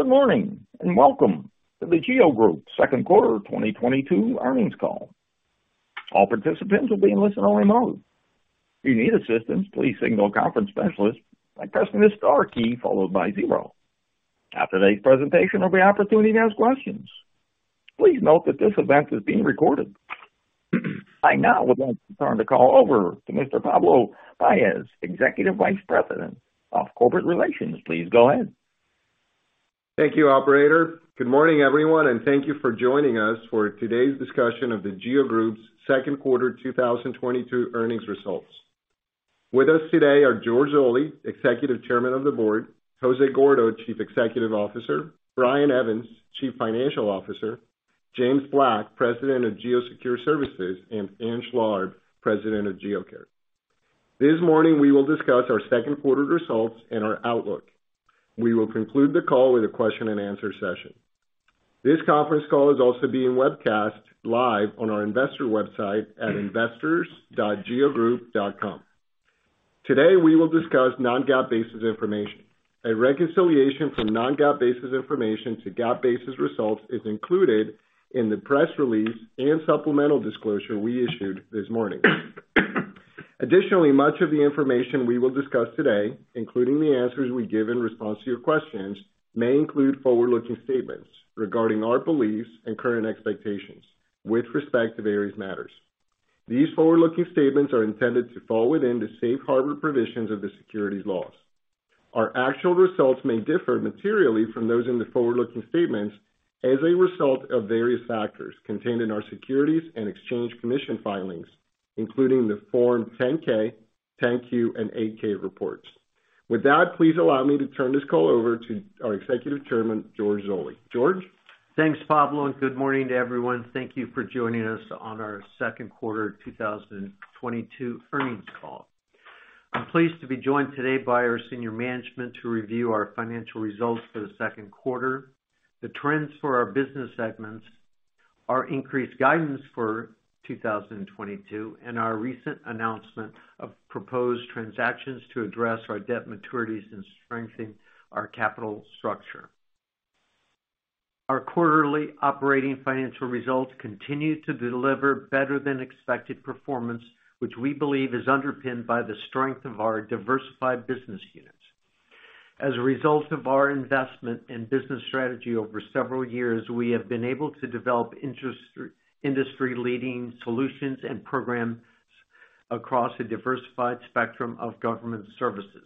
Good morning, and welcome to The GEO Group second quarter 2022 earnings call. All participants will be in listen-only mode. If you need assistance, please signal a conference specialist by pressing the star key followed by zero. After today's presentation there'll be an opportunity to ask questions. Please note that this event is being recorded. I now would like to turn the call over to Mr. Pablo Paez, Executive Vice President of Corporate Relations. Please go ahead. Thank you, operator. Good morning, everyone, and thank you for joining us for today's discussion of The GEO Group's second quarter 2022 earnings results. With us today are George Zoley, Executive Chairman of the Board, Jose Gordo, Chief Executive Officer, Brian Evans, Chief Financial Officer, James Black, President of GEO Secure Services, and Ann Schlarb, President of GEO Care. This morning, we will discuss our second quarter results and our outlook. We will conclude the call with a question-and-answer session. This conference call is also being webcast live on our investor website at investors.geogroup.com. Today, we will discuss non-GAAP basis information. A reconciliation from non-GAAP basis information to GAAP basis results is included in the press release and supplemental disclosure we issued this morning. Additionally, much of the information we will discuss today, including the answers we give in response to your questions, may include forward-looking statements regarding our beliefs and current expectations with respect to various matters. These forward-looking statements are intended to fall within the safe harbor provisions of the securities laws. Our actual results may differ materially from those in the forward-looking statements as a result of various factors contained in our Securities and Exchange Commission filings, including the Form 10-K, 10-Q, and 8-K reports. With that, please allow me to turn this call over to our Executive Chairman, George Zoley. George? Thanks, Pablo, and good morning to everyone. Thank you for joining us on our second quarter 2022 earnings call. I'm pleased to be joined today by our senior management to review our financial results for the second quarter, the trends for our business segments, our increased guidance for 2022, and our recent announcement of proposed transactions to address our debt maturities and strengthen our capital structure. Our quarterly operating financial results continue to deliver better than expected performance, which we believe is underpinned by the strength of our diversified business units. As a result of our investment and business strategy over several years, we have been able to develop industry leading solutions and programs across a diversified spectrum of government services.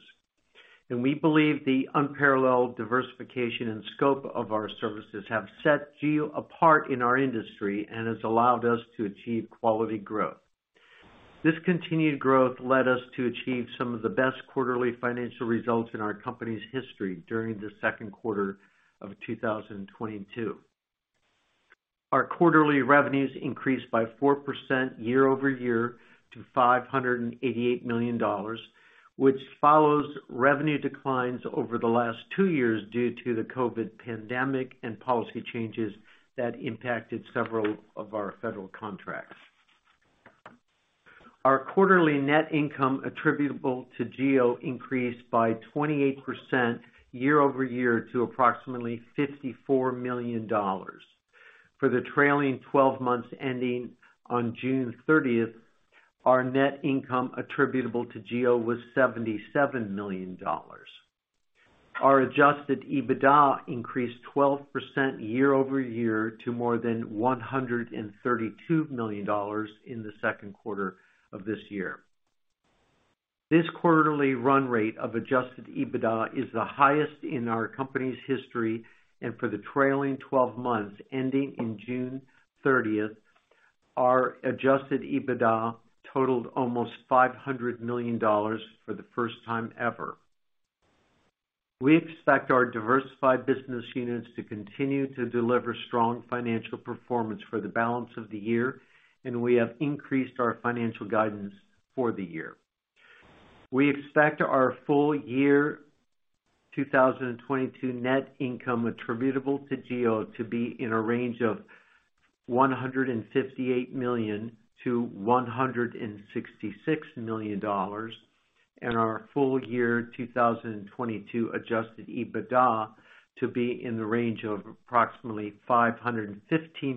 We believe the unparalleled diversification and scope of our services have set GEO apart in our industry and has allowed us to achieve quality growth. This continued growth led us to achieve some of the best quarterly financial results in our company's history during the second quarter of 2022. Our quarterly revenues increased by 4% year-over-year to $588 million, which follows revenue declines over the last 2 years due to the COVID pandemic and policy changes that impacted several of our federal contracts. Our quarterly net income attributable to GEO increased by 28% year-over-year to approximately $54 million. For the trailing 12 months ending on June 30, our net income attributable to GEO was $77 million. Our Adjusted EBITDA increased 12% year-over-year to more than $132 million in the second quarter of this year. This quarterly run rate of Adjusted EBITDA is the highest in our company's history, and for the trailing twelve months ending in June thirtieth, our Adjusted EBITDA totaled almost $500 million for the first time ever. We expect our diversified business units to continue to deliver strong financial performance for the balance of the year, and we have increased our financial guidance for the year. We expect our full year 2022 net income attributable to GEO to be in a range of $158 million-$166 million, and our full year 2022 Adjusted EBITDA to be in the range of approximately $515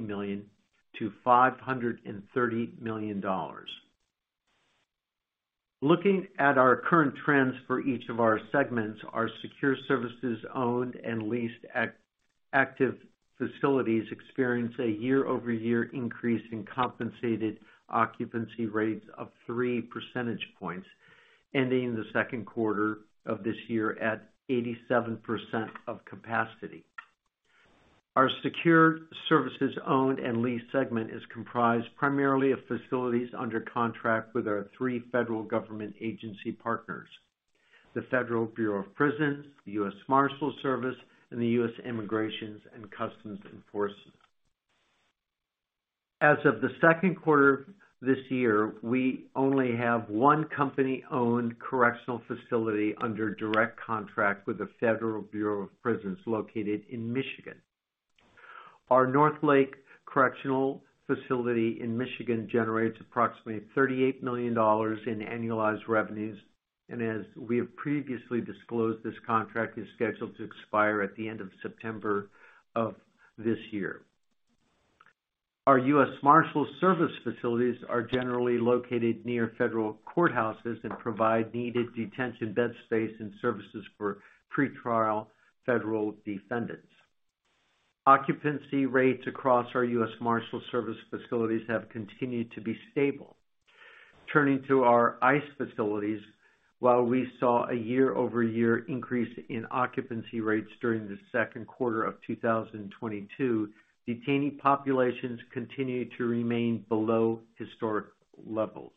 million-$530 million. Looking at our current trends for each of our segments, our Secure Services owned and leased active facilities experienced a year-over-year increase in compensated occupancy rates of three percentage points, ending the second quarter of this year at 87% of capacity. Our Secure Services owned and leased segment is comprised primarily of facilities under contract with our three federal government agency partners, the Federal Bureau of Prisons, the U.S. Marshals Service, and the U.S. Immigration and Customs Enforcement. As of the second quarter this year, we only have one company-owned correctional facility under direct contract with the Federal Bureau of Prisons located in Michigan. Our North Lake Correctional Facility in Michigan generates approximately $38 million in annualized revenues. As we have previously disclosed, this contract is scheduled to expire at the end of September of this year. Our U.S. Marshals Service facilities are generally located near federal courthouses and provide needed detention, bed space, and services for pretrial federal defendants. Occupancy rates across our U.S. Marshals Service facilities have continued to be stable. Turning to our ICE facilities, while we saw a year-over-year increase in occupancy rates during the second quarter of 2022, detainee populations continue to remain below historic levels.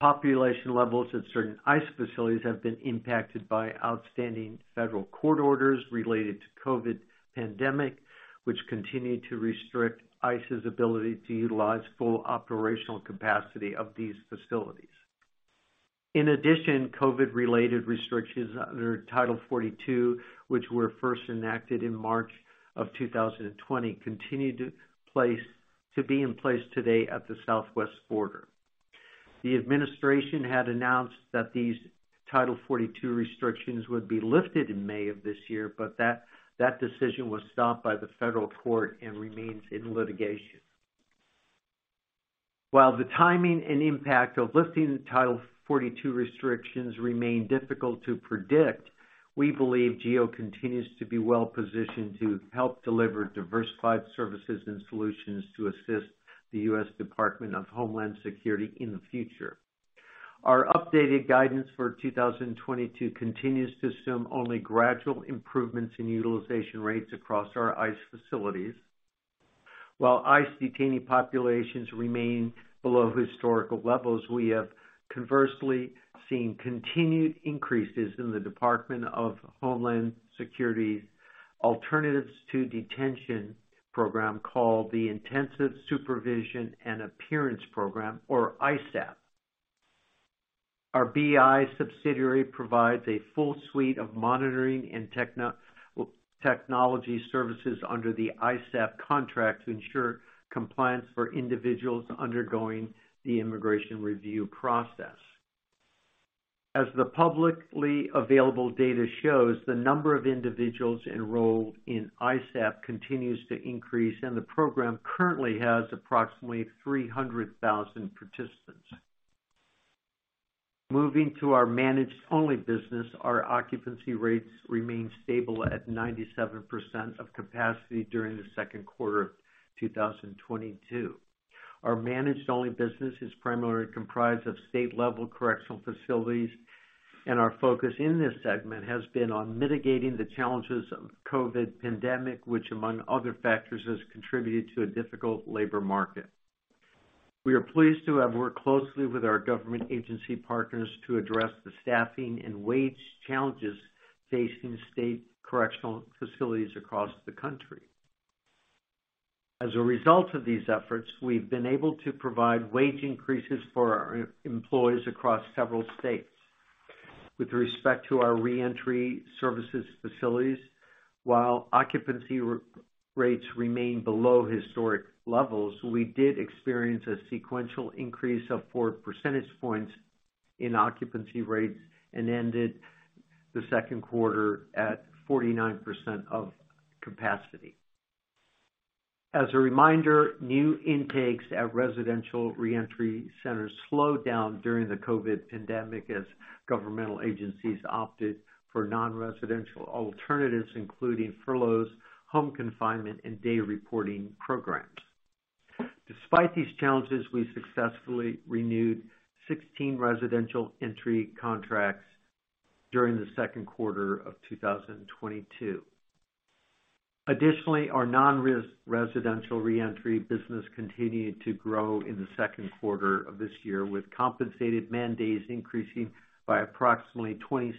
Population levels at certain ICE facilities have been impacted by outstanding federal court orders related to COVID pandemic, which continue to restrict ICE's ability to utilize full operational capacity of these facilities. In addition, COVID-related restrictions under Title 42, which were first enacted in March 2020, continue to be in place today at the southwest border. The administration had announced that these Title 42 restrictions would be lifted in May of this year, but that decision was stopped by the federal court and remains in litigation. While the timing and impact of lifting the Title 42 restrictions remain difficult to predict, we believe GEO continues to be well-positioned to help deliver diversified services and solutions to assist the U.S. Department of Homeland Security in the future. Our updated guidance for 2022 continues to assume only gradual improvements in utilization rates across our ICE facilities. While ICE detainee populations remain below historical levels, we have conversely seen continued increases in the Department of Homeland Security's alternatives to detention program, called the Intensive Supervision and Appearance Program, or ISAP. Our BI subsidiary provides a full suite of monitoring and technology services under the ISAP contract to ensure compliance for individuals undergoing the immigration review process. As the publicly available data shows, the number of individuals enrolled in ISAP continues to increase, and the program currently has approximately 300,000 participants. Moving to our managed only business, our occupancy rates remained stable at 97% of capacity during the second quarter of 2022. Our managed only business is primarily comprised of state-level correctional facilities, and our focus in this segment has been on mitigating the challenges of COVID pandemic, which, among other factors, has contributed to a difficult labor market. We are pleased to have worked closely with our government agency partners to address the staffing and wage challenges facing state correctional facilities across the country. As a result of these efforts, we've been able to provide wage increases for our employees across several states. With respect to our reentry services facilities, while occupancy rates remain below historic levels, we did experience a sequential increase of four percentage points in occupancy rates and ended the second quarter at 49% of capacity. As a reminder, new intakes at residential reentry centers slowed down during the COVID pandemic as governmental agencies opted for non-residential alternatives, including furloughs, home confinement, and day reporting programs. Despite these challenges, we successfully renewed 16 residential reentry contracts during the second quarter of 2022. Additionally, our non-residential reentry business continued to grow in the second quarter of this year, with compensated man days increasing by approximately 26%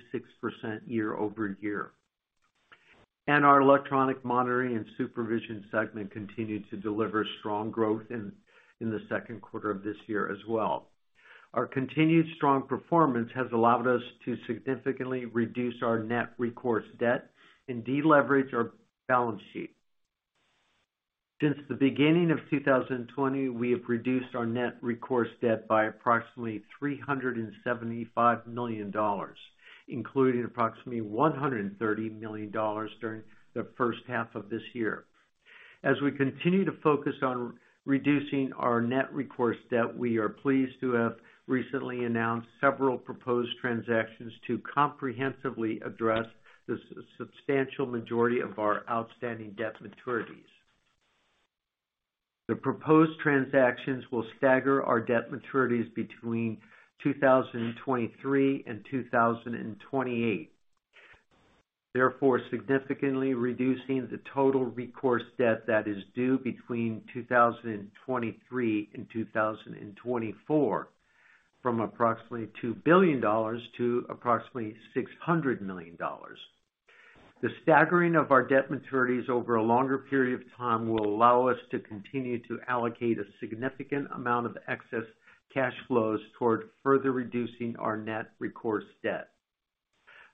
year-over-year. Our electronic monitoring and supervision segment continued to deliver strong growth in the second quarter of this year as well. Our continued strong performance has allowed us to significantly reduce our net recourse debt and deleverage our balance sheet. Since the beginning of 2020, we have reduced our net recourse debt by approximately $375 million, including approximately $130 million during the first half of this year. As we continue to focus on reducing our net recourse debt, we are pleased to have recently announced several proposed transactions to comprehensively address the substantial majority of our outstanding debt maturities. The proposed transactions will stagger our debt maturities between 2023 and 2028, therefore significantly reducing the total recourse debt that is due between 2023 and 2024 from approximately $2 billion to approximately $600 million. The staggering of our debt maturities over a longer period of time will allow us to continue to allocate a significant amount of excess cash flows toward further reducing our net recourse debt.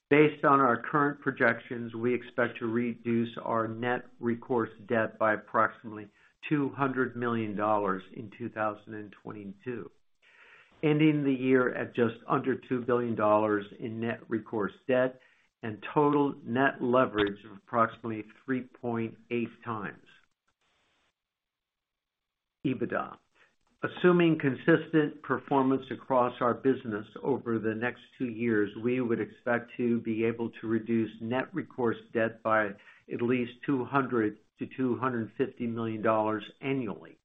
Based on our current projections, we expect to reduce our net recourse debt by approximately $200 million in 2022, ending the year at just under $2 billion in net recourse debt and total net leverage of approximately 3.8 times EBITDA. Assuming consistent performance across our business over the next two years, we would expect to be able to reduce net recourse debt by at least $200-$250 million annually.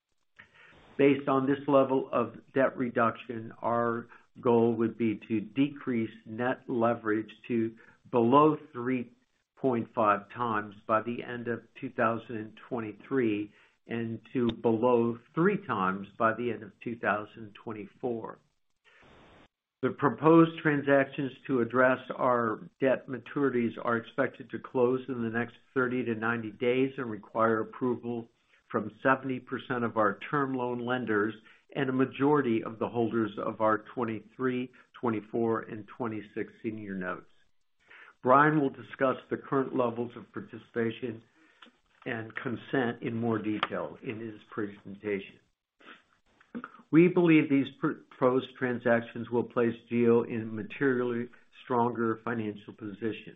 Based on this level of debt reduction, our goal would be to decrease net leverage to below 3.5x by the end of 2023 and to below 3x by the end of 2024. The proposed transactions to address our debt maturities are expected to close in the next 30-90 days and require approval from 70% of our term loan lenders and a majority of the holders of our 2023, 2024 and 2026 senior notes. Brian will discuss the current levels of participation and consent in more detail in his presentation. We believe these proposed transactions will place GEO in a materially stronger financial position.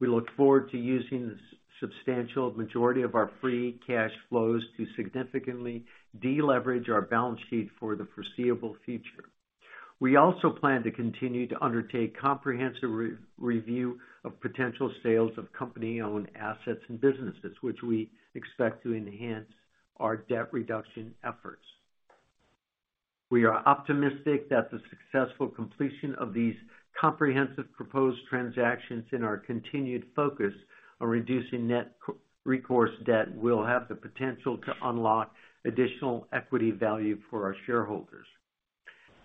We look forward to using the substantial majority of our free cash flows to significantly deleverage our balance sheet for the foreseeable future. We also plan to continue to undertake comprehensive re-review of potential sales of company owned assets and businesses, which we expect to enhance our debt reduction efforts. We are optimistic that the successful completion of these comprehensive proposed transactions and our continued focus on reducing net recourse debt will have the potential to unlock additional equity value for our shareholders.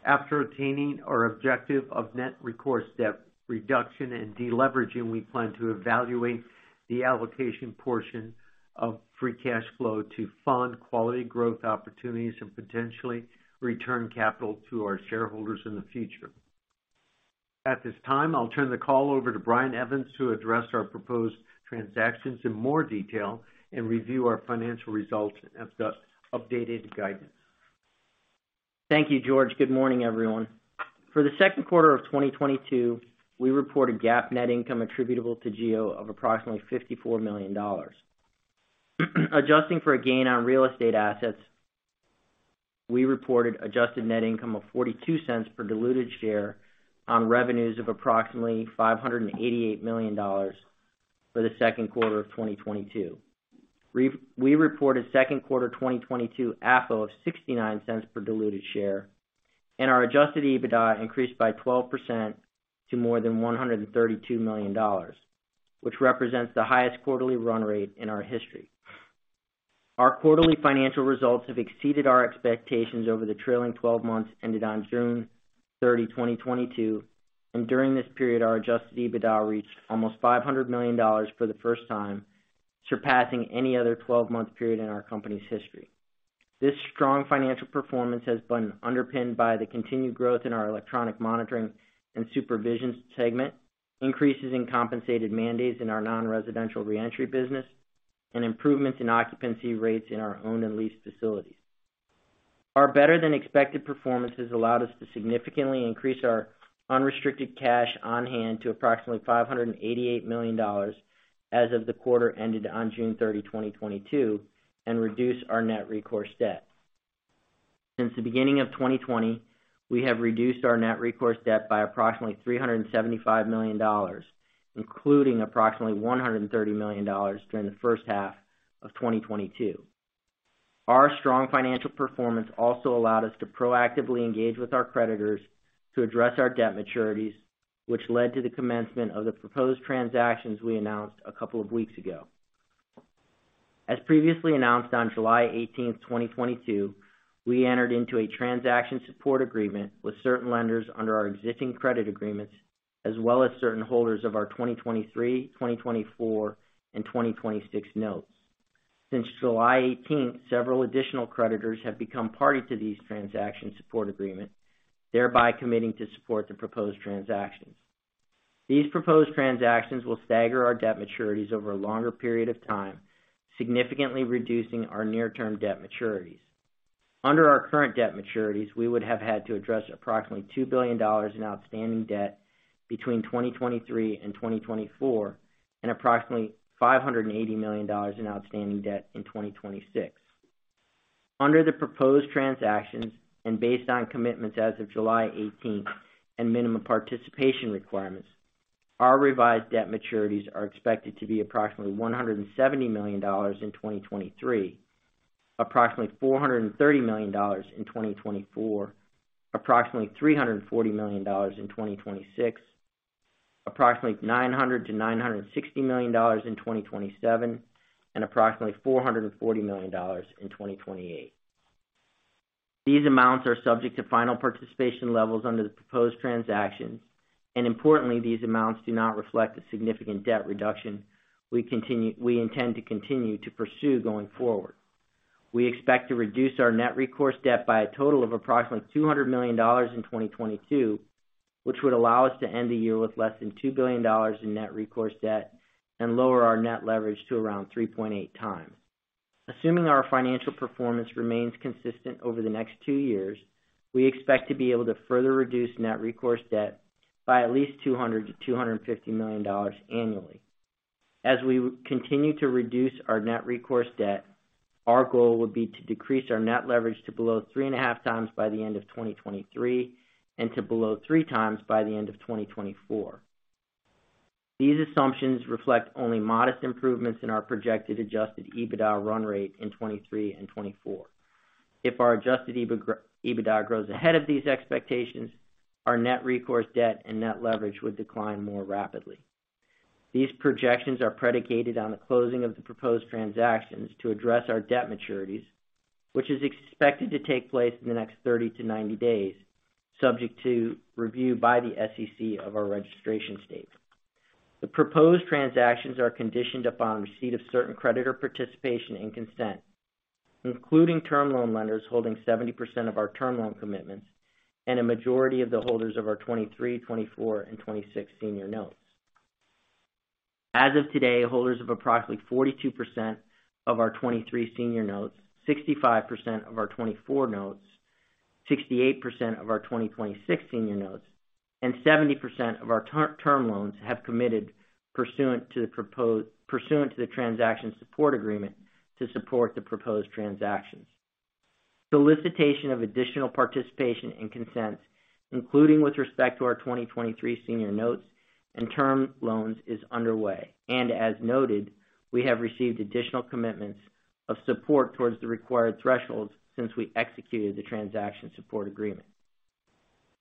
After attaining our objective of net recourse debt reduction and deleveraging, we plan to evaluate the allocation portion of free cash flow to fund quality growth opportunities and potentially return capital to our shareholders in the future. At this time, I'll turn the call over to Brian Evans to address our proposed transactions in more detail and review our financial results and the updated guidance. Thank you, George. Good morning, everyone. For the second quarter of 2022, we reported GAAP net income attributable to GEO of approximately $54 million. Adjusting for a gain on real estate assets, we reported adjusted net income of $0.42 per diluted share on revenues of approximately $588 million for the second quarter of 2022. We reported second quarter 2022 AFFO of $0.69 per diluted share, and our adjusted EBITDA increased by 12% to more than $132 million, which represents the highest quarterly run rate in our history. Our quarterly financial results have exceeded our expectations over the trailing twelve months ended on June 30, 2022, and during this period, our adjusted EBITDA reached almost $500 million for the first time, surpassing any other twelve-month period in our company's history. This strong financial performance has been underpinned by the continued growth in our electronic monitoring and supervision segment, increases in compensated mandates in our non-residential reentry business, and improvements in occupancy rates in our owned and leased facilities. Our better than expected performances allowed us to significantly increase our unrestricted cash on hand to approximately $588 million as of the quarter ended on June 30, 2022, and reduce our net recourse debt. Since the beginning of 2020, we have reduced our net recourse debt by approximately $375 million, including approximately $130 million during the first half of 2022. Our strong financial performance also allowed us to proactively engage with our creditors to address our debt maturities, which led to the commencement of the proposed transactions we announced a couple of weeks ago. As previously announced on July 18, 2022, we entered into a transaction support agreement with certain lenders under our existing credit agreements, as well as certain holders of our 2023, 2024, and 2026 notes. Since July 18, several additional creditors have become party to these transaction support agreements, thereby committing to support the proposed transactions. These proposed transactions will stagger our debt maturities over a longer period of time, significantly reducing our near-term debt maturities. Under our current debt maturities, we would have had to address approximately $2 billion in outstanding debt between 2023 and 2024, and approximately $580 million in outstanding debt in 2026. Under the proposed transactions and based on commitments as of July eighteenth and minimum participation requirements, our revised debt maturities are expected to be approximately $170 million in 2023, approximately $430 million in 2024, approximately $340 million in 2026, approximately $900 million-$960 million in 2027, and approximately $440 million in 2028. These amounts are subject to final participation levels under the proposed transactions, and importantly, these amounts do not reflect the significant debt reduction we intend to continue to pursue going forward. We expect to reduce our net recourse debt by a total of approximately $200 million in 2022, which would allow us to end the year with less than $2 billion in net recourse debt and lower our net leverage to around 3.8 times. Assuming our financial performance remains consistent over the next two years, we expect to be able to further reduce net recourse debt by at least $200-$250 million annually. As we continue to reduce our net recourse debt, our goal would be to decrease our net leverage to below 3.5x by the end of 2023 and to below 3x by the end of 2024. These assumptions reflect only modest improvements in our projected adjusted EBITDA run rate in 2023 and 2024. If our adjusted EBITDA grows ahead of these expectations, our net recourse debt and net leverage would decline more rapidly. These projections are predicated on the closing of the proposed transactions to address our debt maturities, which is expected to take place in the next 30-90 days, subject to review by the SEC of our registration statement. The proposed transactions are conditioned upon receipt of certain creditor participation and consent, including term loan lenders holding 70% of our term loan commitments and a majority of the holders of our 2023, 2024, and 2026 senior notes. As of today, holders of approximately 42% of our 2023 senior notes, 65% of our 2024 notes, 68% of our 2026 senior notes, and 70% of our term loans have committed pursuant to the transaction support agreement to support the proposed transactions. Solicitation of additional participation and consents, including with respect to our 2023 senior notes and term loans, is underway. As noted, we have received additional commitments of support towards the required thresholds since we executed the transaction support agreement.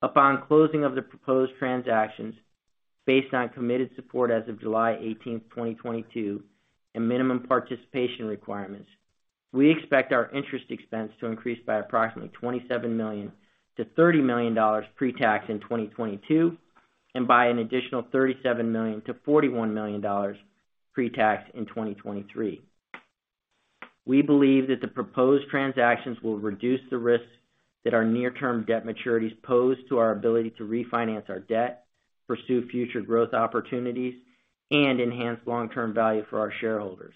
Upon closing of the proposed transactions based on committed support as of July 18, 2022, and minimum participation requirements, we expect our interest expense to increase by approximately $27 million-$30 million pre-tax in 2022, and by an additional $37 million-$41 million pre-tax in 2023. We believe that the proposed transactions will reduce the risks that our near-term debt maturities pose to our ability to refinance our debt, pursue future growth opportunities, and enhance long-term value for our shareholders.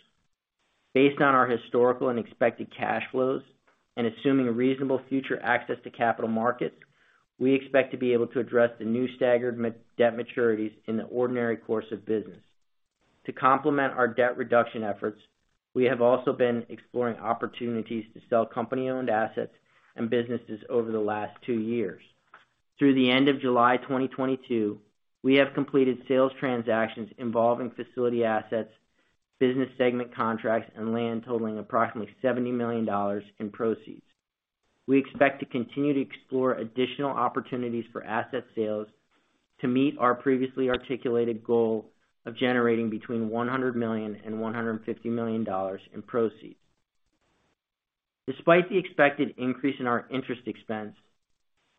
Based on our historical and expected cash flows, and assuming reasonable future access to capital markets, we expect to be able to address the new staggered debt maturities in the ordinary course of business. To complement our debt reduction efforts, we have also been exploring opportunities to sell company-owned assets and businesses over the last two years. Through the end of July 2022, we have completed sales transactions involving facility assets, business segment contracts, and land totaling approximately $70 million in proceeds. We expect to continue to explore additional opportunities for asset sales to meet our previously articulated goal of generating between $100 million and $150 million in proceeds. Despite the expected increase in our interest expense,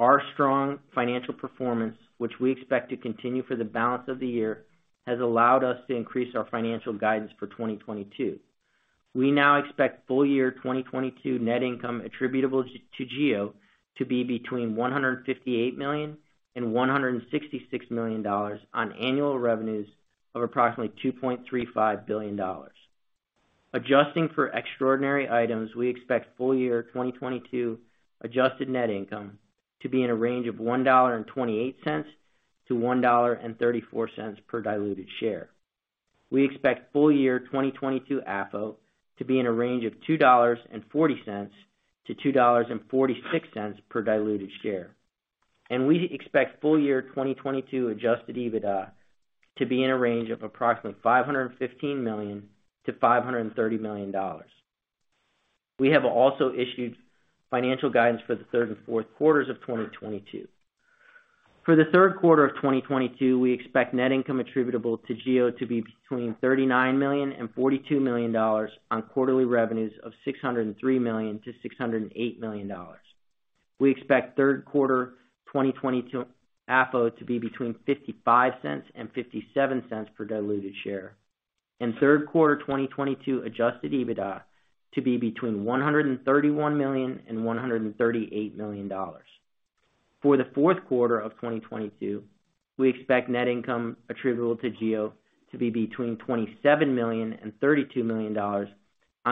our strong financial performance, which we expect to continue for the balance of the year, has allowed us to increase our financial guidance for 2022. We now expect full year 2022 net income attributable to GEO to be between $158 million and $166 million on annual revenues of approximately $2.35 billion. Adjusting for extraordinary items, we expect full year 2022 adjusted net income to be in a range of $1.28-$1.34 per diluted share. We expect full year 2022 AFFO to be in a range of $2.40-$2.46 per diluted share. We expect full year 2022 adjusted EBITDA to be in a range of approximately $515 million-$530 million. We have also issued financial guidance for the third and fourth quarters of 2022. For the third quarter of 2022, we expect net income attributable to GEO to be between $39 million and $42 million on quarterly revenues of $603 million-$608 million. We expect third quarter 2022 AFFO to be between $0.55-$0.57 per diluted share, and third quarter 2022 adjusted EBITDA to be between $131 million-$138 million. For the fourth quarter of 2022, we expect net income attributable to GEO to be between $27 million-$32 million on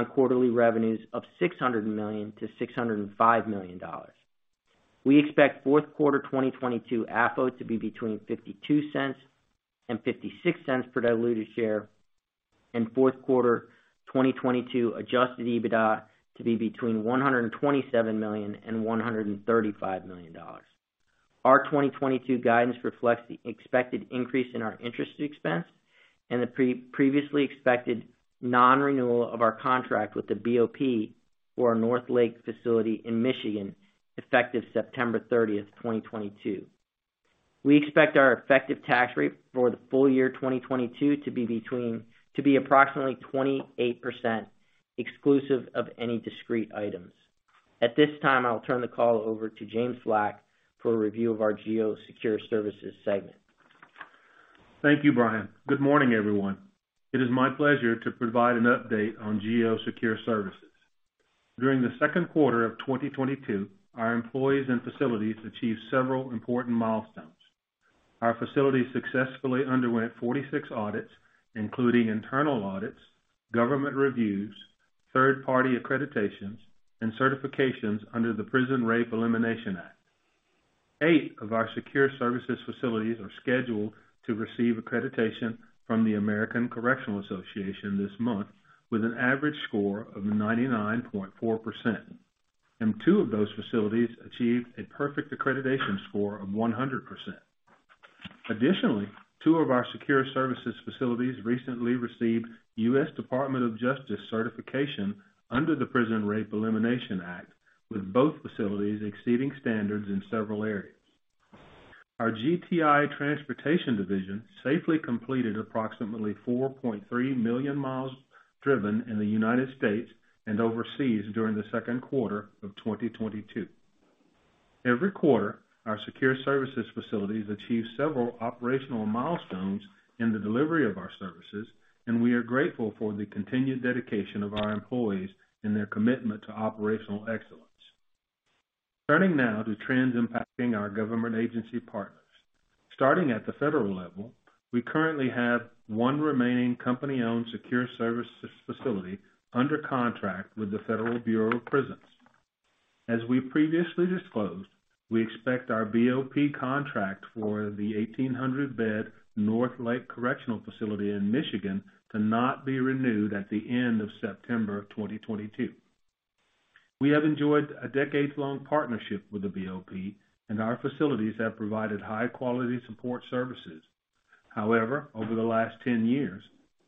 quarterly revenues of $600 million-$605 million. We expect fourth quarter 2022 AFFO to be between $0.52-$0.56 per diluted share, and fourth quarter 2022 adjusted EBITDA to be between $127 million-$135 million. Our 2022 guidance reflects the expected increase in our interest expense and the previously expected non-renewal of our contract with the BOP for our North Lake facility in Michigan, effective September 30, 2022. We expect our effective tax rate for the full year 2022 to be between approximately 28%, exclusive of any discrete items. At this time, I'll turn the call over to James Black for a review of our GEO Secure Services segment. Thank you, Brian. Good morning, everyone. It is my pleasure to provide an update on GEO Secure Services. During the second quarter of 2022, our employees and facilities achieved several important milestones. Our facilities successfully underwent 46 audits, including internal audits, government reviews, third-party accreditations, and certifications under the Prison Rape Elimination Act. Eight of our secure services facilities are scheduled to receive accreditation from the American Correctional Association this month with an average score of 99.4%, and two of those facilities achieved a perfect accreditation score of 100%. Additionally, two of our secure services facilities recently received U.S. Department of Justice certification under the Prison Rape Elimination Act, with both facilities exceeding standards in several areas. Our GEO Transport division safely completed approximately 4.3 million miles driven in the United States and overseas during the second quarter of 2022. Every quarter, our secure services facilities achieve several operational milestones in the delivery of our services, and we are grateful for the continued dedication of our employees and their commitment to operational excellence. Turning now to trends impacting our government agency partners. Starting at the federal level, we currently have one remaining company-owned secure services facility under contract with the Federal Bureau of Prisons. As we previously disclosed, we expect our BOP contract for the 1,800-bed North Lake Correctional Facility in Michigan to not be renewed at the end of September 2022. We have enjoyed a decades-long partnership with the BOP, and our facilities have provided high-quality support services. However, over the last 10 years,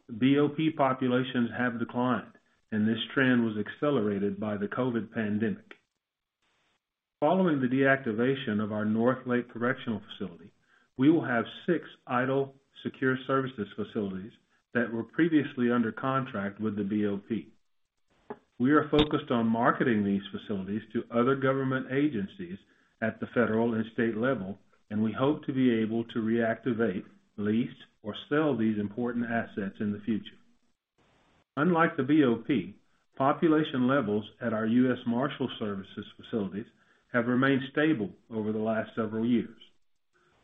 BOP populations have declined, and this trend was accelerated by the COVID pandemic. Following the deactivation of our North Lake Correctional Facility, we will have 6 idle secure services facilities that were previously under contract with the BOP. We are focused on marketing these facilities to other government agencies at the federal and state level, and we hope to be able to reactivate, lease, or sell these important assets in the future. Unlike the BOP, population levels at our U.S. Marshals Service facilities have remained stable over the last several years.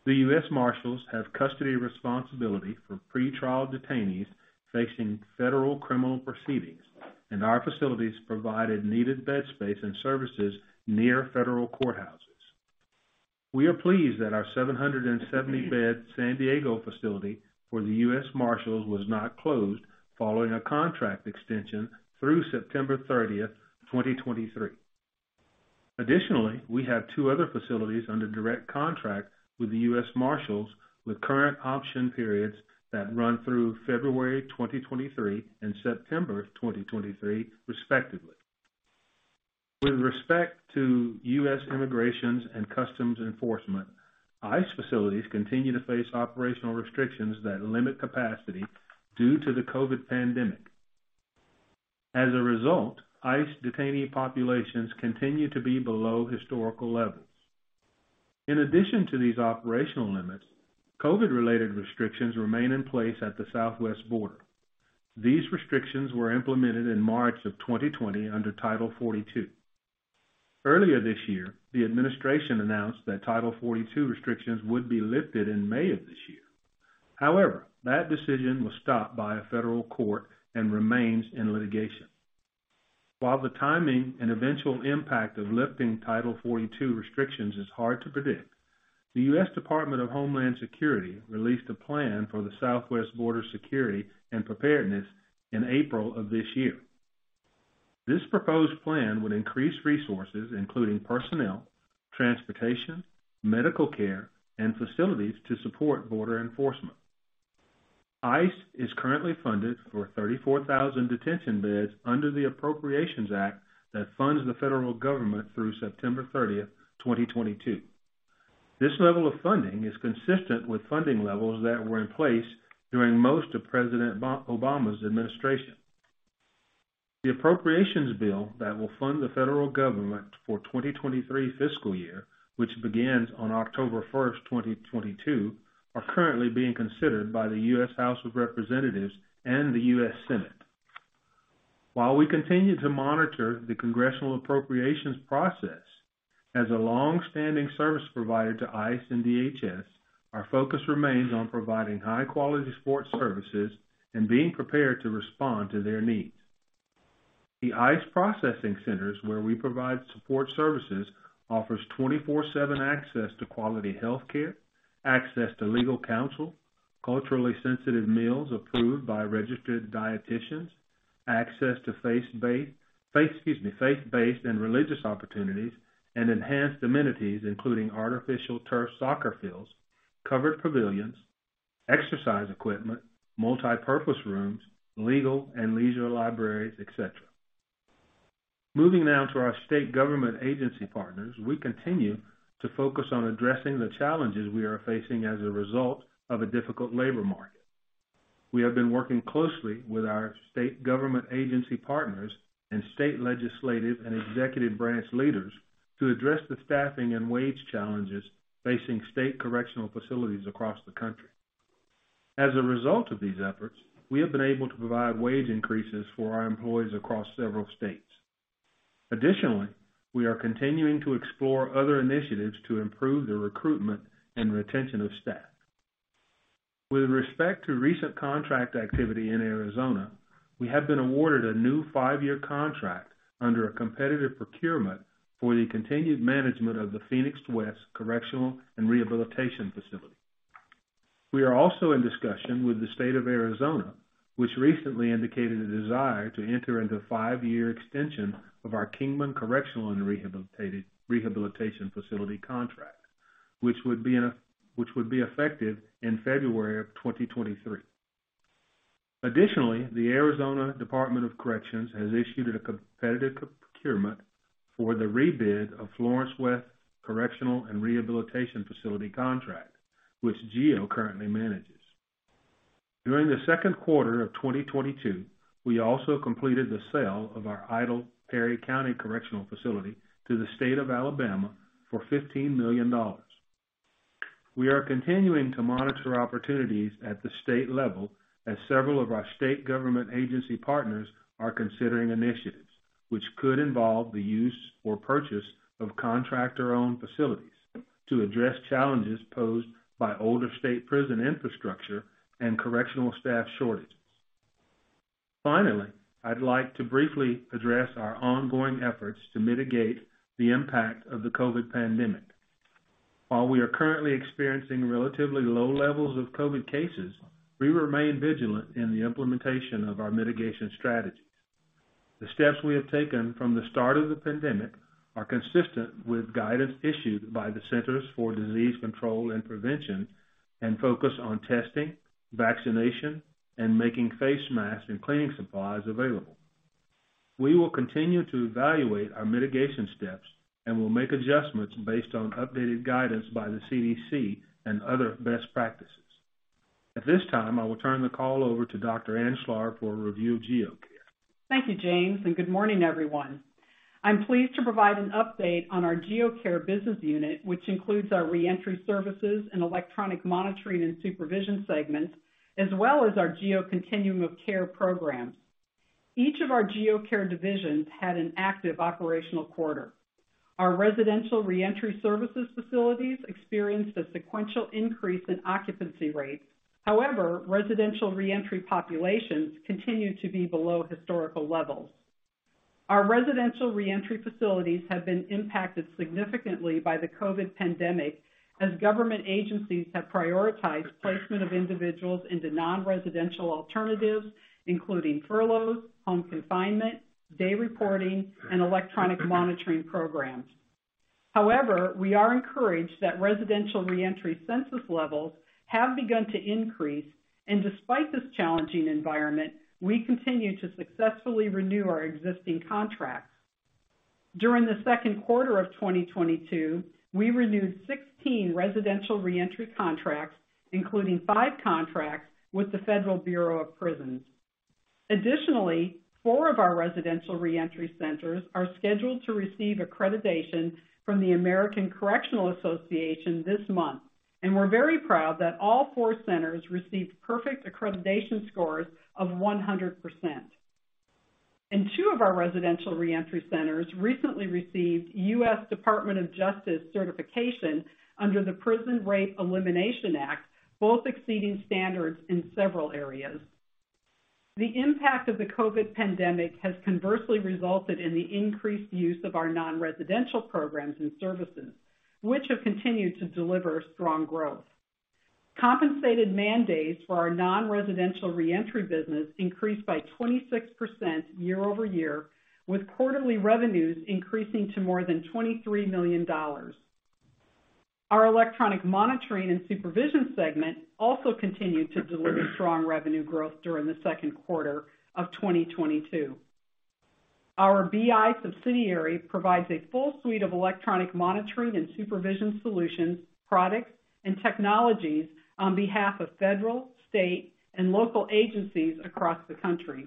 The U.S. Marshals have custody responsibility for pretrial detainees facing federal criminal proceedings, and our facilities provided needed bed space and services near federal courthouses. We are pleased that our 770-bed San Diego facility for the U.S. Marshals was not closed following a contract extension through September 30, 2023. Additionally, we have two other facilities under direct contract with the U.S. Marshals with current option periods that run through February 2023 and September 2023, respectively. With respect to U.S. Immigration and Customs Enforcement, ICE facilities continue to face operational restrictions that limit capacity due to the COVID pandemic. As a result, ICE detainee populations continue to be below historical levels. In addition to these operational limits, COVID-related restrictions remain in place at the Southwest border. These restrictions were implemented in March of 2020 under Title 42. Earlier this year, the administration announced that Title 42 restrictions would be lifted in May of this year. However, that decision was stopped by a federal court and remains in litigation. While the timing and eventual impact of lifting Title 42 restrictions is hard to predict, the U.S. Department of Homeland Security released the DHS Plan for Southwest Border Security and Preparedness in April of this year. This proposed plan would increase resources, including personnel, transportation, medical care, and facilities to support border enforcement. ICE is currently funded for 34,000 detention beds under the Consolidated Appropriations Act that funds the federal government through September 30, 2022. This level of funding is consistent with funding levels that were in place during most of President Obama's administration. The appropriations bill that will fund the federal government for 2023 fiscal year, which begins on October 1, 2022, are currently being considered by the U.S. House of Representatives and the U.S. Senate. While we continue to monitor the Congressional appropriations process as a long-standing service provider to ICE and DHS, our focus remains on providing high-quality support services and being prepared to respond to their needs. The ICE processing centers, where we provide support services, offers 24/7 access to quality healthcare, access to legal counsel, culturally sensitive meals approved by registered dieticians, access to faith-based and religious opportunities, and enhanced amenities, including artificial turf soccer fields, covered pavilions, exercise equipment, multipurpose rooms, legal and leisure libraries, et cetera. Moving now to our state government agency partners. We continue to focus on addressing the challenges we are facing as a result of a difficult labor market. We have been working closely with our state government agency partners and state legislative and executive branch leaders to address the staffing and wage challenges facing state correctional facilities across the country. As a result of these efforts, we have been able to provide wage increases for our employees across several states. Additionally, we are continuing to explore other initiatives to improve the recruitment and retention of staff. With respect to recent contract activity in Arizona, we have been awarded a new five-year contract under a competitive procurement for the continued management of the Phoenix West Correctional and Rehabilitation Facility. We are also in discussion with the State of Arizona, which recently indicated a desire to enter into a five-year extension of our Kingman Correctional and Rehabilitation Facility contract, which would be effective in February of 2023. Additionally, the Arizona Department of Corrections has issued a competitive procurement for the rebid of Florence West Correctional and Rehabilitation Facility contract, which GEO currently manages. During the second quarter of 2022, we also completed the sale of our idle Perry County Correctional Facility to the State of Alabama for $15 million. We are continuing to monitor opportunities at the state level as several of our state government agency partners are considering initiatives which could involve the use or purchase of contractor-owned facilities to address challenges posed by older state prison infrastructure and correctional staff shortages. Finally, I'd like to briefly address our ongoing efforts to mitigate the impact of the COVID pandemic. While we are currently experiencing relatively low levels of COVID cases, we remain vigilant in the implementation of our mitigation strategies. The steps we have taken from the start of the pandemic are consistent with guidance issued by the Centers for Disease Control and Prevention and focus on testing, vaccination, and making face masks and cleaning supplies available. We will continue to evaluate our mitigation steps and will make adjustments based on updated guidance by the CDC and other best practices. At this time, I will turn the call over to Dr. Ann Schlarb for a review of GEO Care. Thank you, James, and good morning, everyone. I'm pleased to provide an update on our GEO Care business unit, which includes our reentry services and electronic monitoring and supervision segments, as well as our GEO Continuum of Care programs. Each of our GEO Care divisions had an active operational quarter. Our residential reentry services facilities experienced a sequential increase in occupancy rates. However, residential reentry populations continue to be below historical levels. Our residential reentry facilities have been impacted significantly by the COVID pandemic, as government agencies have prioritized placement of individuals into non-residential alternatives, including furloughs, home confinement, day reporting, and electronic monitoring programs. However, we are encouraged that residential reentry census levels have begun to increase, and despite this challenging environment, we continue to successfully renew our existing contracts. During the second quarter of 2022, we renewed 16 residential reentry contracts, including five contracts with the Federal Bureau of Prisons. Additionally, four of our residential reentry centers are scheduled to receive accreditation from the American Correctional Association this month, and we're very proud that all four centers received perfect accreditation scores of 100%. Two of our residential reentry centers recently received U.S. Department of Justice certification under the Prison Rape Elimination Act, both exceeding standards in several areas. The impact of the COVID pandemic has conversely resulted in the increased use of our non-residential programs and services, which have continued to deliver strong growth. Compensated man days for our non-residential reentry business increased by 26% year-over-year, with quarterly revenues increasing to more than $23 million. Our electronic monitoring and supervision segment also continued to deliver strong revenue growth during the second quarter of 2022. Our BI subsidiary provides a full suite of electronic monitoring and supervision solutions, products, and technologies on behalf of federal, state, and local agencies across the country.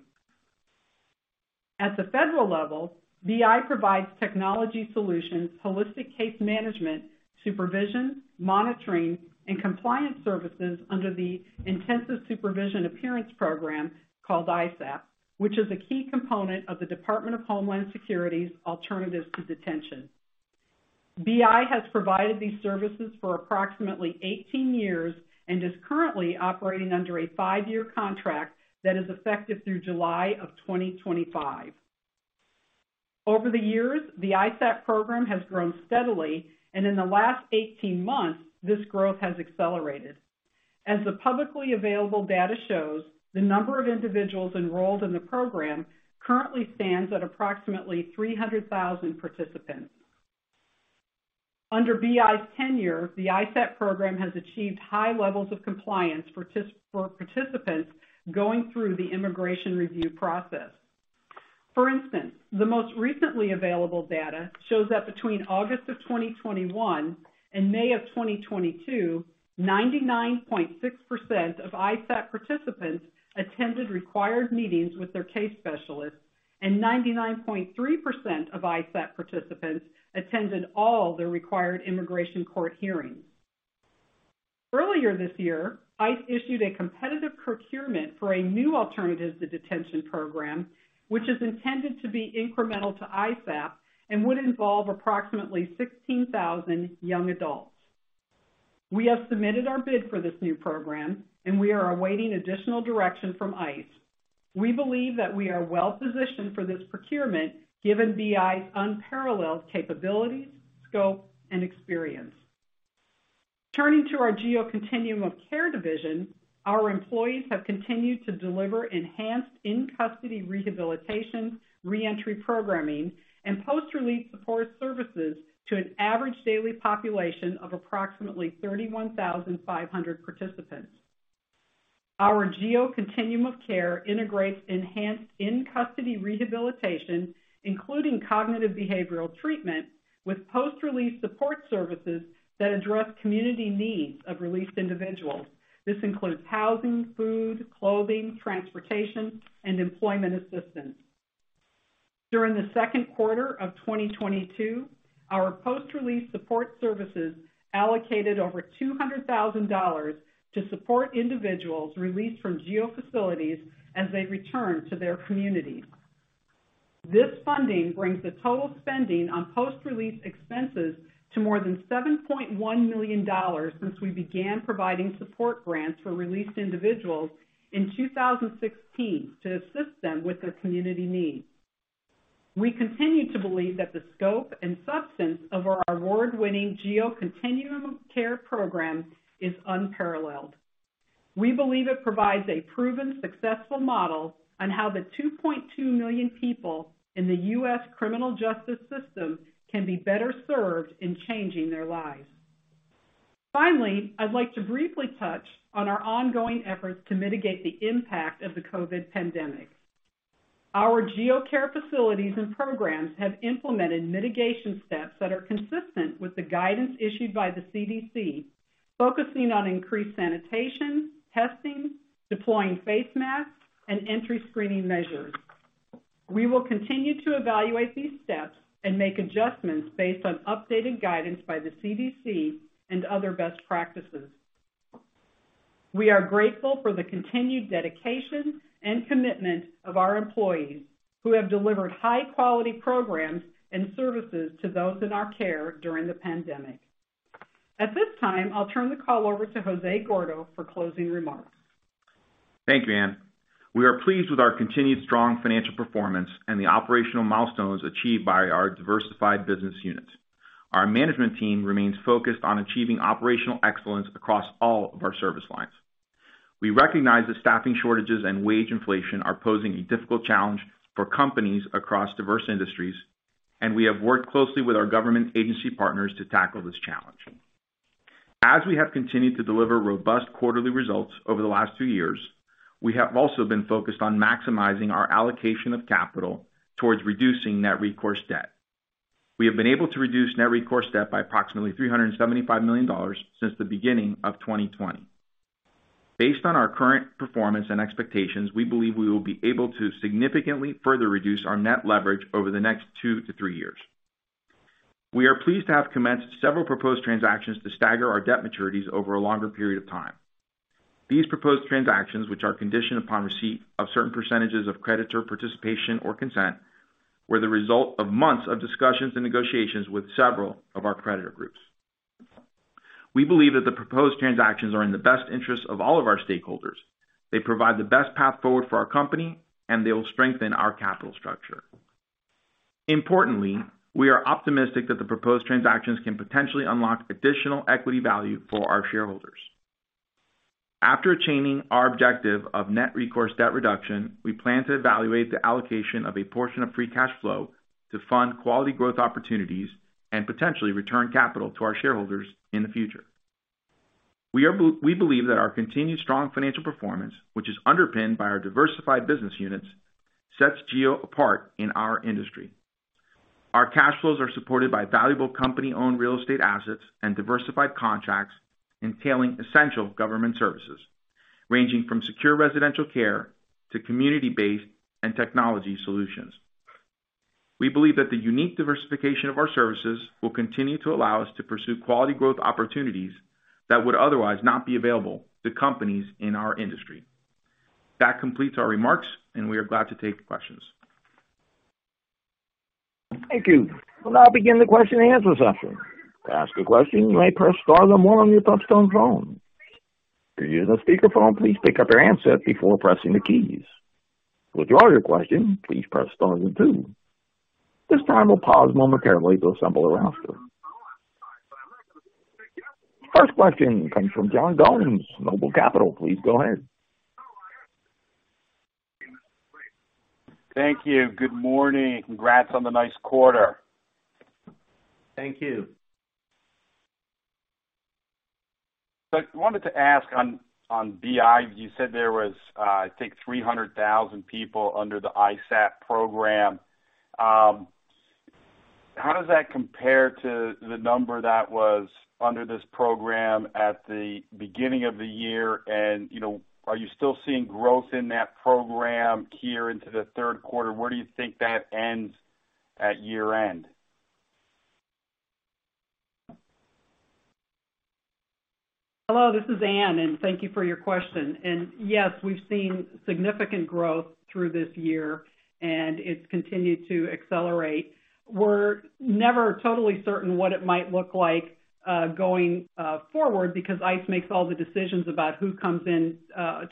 At the federal level, BI provides technology solutions, holistic case management, supervision, monitoring, and compliance services under the Intensive Supervision Appearance Program, called ISAP, which is a key component of the Department of Homeland Security's alternatives to detention. BI has provided these services for approximately 18 years and is currently operating under a 5-year contract that is effective through July of 2025. Over the years, the ISAP program has grown steadily, and in the last 18 months, this growth has accelerated. As the publicly available data shows, the number of individuals enrolled in the program currently stands at approximately 300,000 participants. Under BI's tenure, the ISAP program has achieved high levels of compliance for participants going through the immigration review process. For instance, the most recently available data shows that between August 2021 and May 2022, 99.6% of ISAP participants attended required meetings with their case specialists, and 99.3% of ISAP participants attended all the required immigration court hearings. Earlier this year, ICE issued a competitive procurement for a new alternative to detention program, which is intended to be incremental to ISAP and would involve approximately 16,000 young adults. We have submitted our bid for this new program, and we are awaiting additional direction from ICE. We believe that we are well-positioned for this procurement given BI's unparalleled capabilities, scope, and experience. Turning to our GEO Continuum of Care division, our employees have continued to deliver enhanced in-custody rehabilitation, reentry programming, and post-release support services to an average daily population of approximately 31,500 participants. Our GEO Continuum of Care integrates enhanced in-custody rehabilitation, including cognitive behavioral treatment, with post-release support services that address community needs of released individuals. This includes housing, food, clothing, transportation, and employment assistance. During the second quarter of 2022, our post-release support services allocated over $200,000 to support individuals released from GEO facilities as they return to their communities. This funding brings the total spending on post-release expenses to more than $7.1 million since we began providing support grants for released individuals in 2016 to assist them with their community needs. We continue to believe that the scope and substance of our award-winning GEO Continuum of Care program is unparalleled. We believe it provides a proven successful model on how the 2.2 million people in the U.S. criminal justice system can be better served in changing their lives. Finally, I'd like to briefly touch on our ongoing efforts to mitigate the impact of the COVID pandemic. Our GEO Care facilities and programs have implemented mitigation steps that are consistent with the guidance issued by the CDC, focusing on increased sanitation, testing, deploying face masks, and entry screening measures. We will continue to evaluate these steps and make adjustments based on updated guidance by the CDC and other best practices. We are grateful for the continued dedication and commitment of our employees, who have delivered high-quality programs and services to those in our care during the pandemic. At this time, I'll turn the call over to Jose Gordo for closing remarks. Thank you, Ann. We are pleased with our continued strong financial performance and the operational milestones achieved by our diversified business units. Our management team remains focused on achieving operational excellence across all of our service lines. We recognize that staffing shortages and wage inflation are posing a difficult challenge for companies across diverse industries, and we have worked closely with our government agency partners to tackle this challenge. As we have continued to deliver robust quarterly results over the last 2 years, we have also been focused on maximizing our allocation of capital towards reducing net recourse debt. We have been able to reduce net recourse debt by approximately $375 million since the beginning of 2020. Based on our current performance and expectations, we believe we will be able to significantly further reduce our net leverage over the next 2-3 years. We are pleased to have commenced several proposed transactions to stagger our debt maturities over a longer period of time. These proposed transactions, which are conditioned upon receipt of certain percentages of creditor participation or consent, were the result of months of discussions and negotiations with several of our creditor groups. We believe that the proposed transactions are in the best interest of all of our stakeholders. They provide the best path forward for our company, and they will strengthen our capital structure. Importantly, we are optimistic that the proposed transactions can potentially unlock additional equity value for our shareholders. After attaining our objective of net recourse debt reduction, we plan to evaluate the allocation of a portion of free cash flow to fund quality growth opportunities and potentially return capital to our shareholders in the future. We believe that our continued strong financial performance, which is underpinned by our diversified business units, sets GEO apart in our industry. Our cash flows are supported by valuable company-owned real estate assets and diversified contracts entailing essential government services, ranging from secure residential care to community-based and technology solutions. We believe that the unique diversification of our services will continue to allow us to pursue quality growth opportunities that would otherwise not be available to companies in our industry. That completes our remarks, and we are glad to take questions. Thank you. We'll now begin the question and answer session. To ask a question, you may press star then one on your touchtone phone. If you're using a speakerphone, please pick up your handset before pressing the keys. To withdraw your question, please press star then two. This time we'll pause momentarily to assemble our roster. First question comes from Joe Gomes, Noble Capital. Please go ahead. Thank you. Good morning. Congrats on the nice quarter. Thank you. I wanted to ask on BI. You said there was, I think, 300,000 people under the ISAP program. How does that compare to the number that was under this program at the beginning of the year? You know, are you still seeing growth in that program here into the third quarter? Where do you think that ends at year-end? Hello, this is Ann, and thank you for your question. Yes, we've seen significant growth through this year, and it's continued to accelerate. We're never totally certain what it might look like going forward because ICE makes all the decisions about who comes in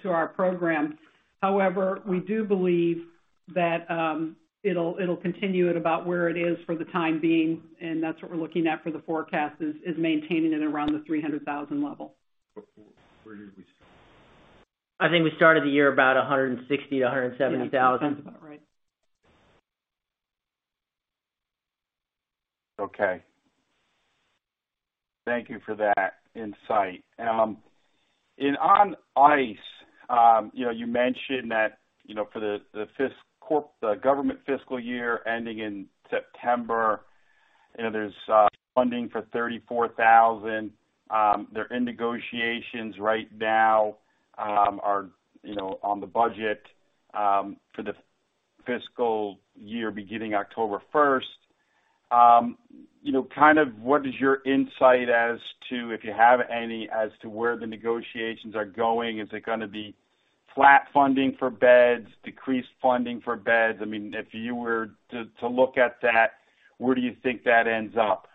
to our program. However, we do believe that it'll continue at about where it is for the time being, and that's what we're looking at for the forecast is maintaining it around the 300,000 level. Where did we start? I think we started the year about 160-170 thousand. Yeah. Something about right. Okay. Thank you for that insight. On ICE, you know, you mentioned that, you know, for the government fiscal year ending in September, you know, there's funding for 34,000. They're in negotiations right now, you know, on the budget for the fiscal year beginning October first. You know, kind of what is your insight as to, if you have any, as to where the negotiations are going? Is it gonna be flat funding for beds, decreased funding for beds? I mean, if you were to look at that, where do you think that ends up?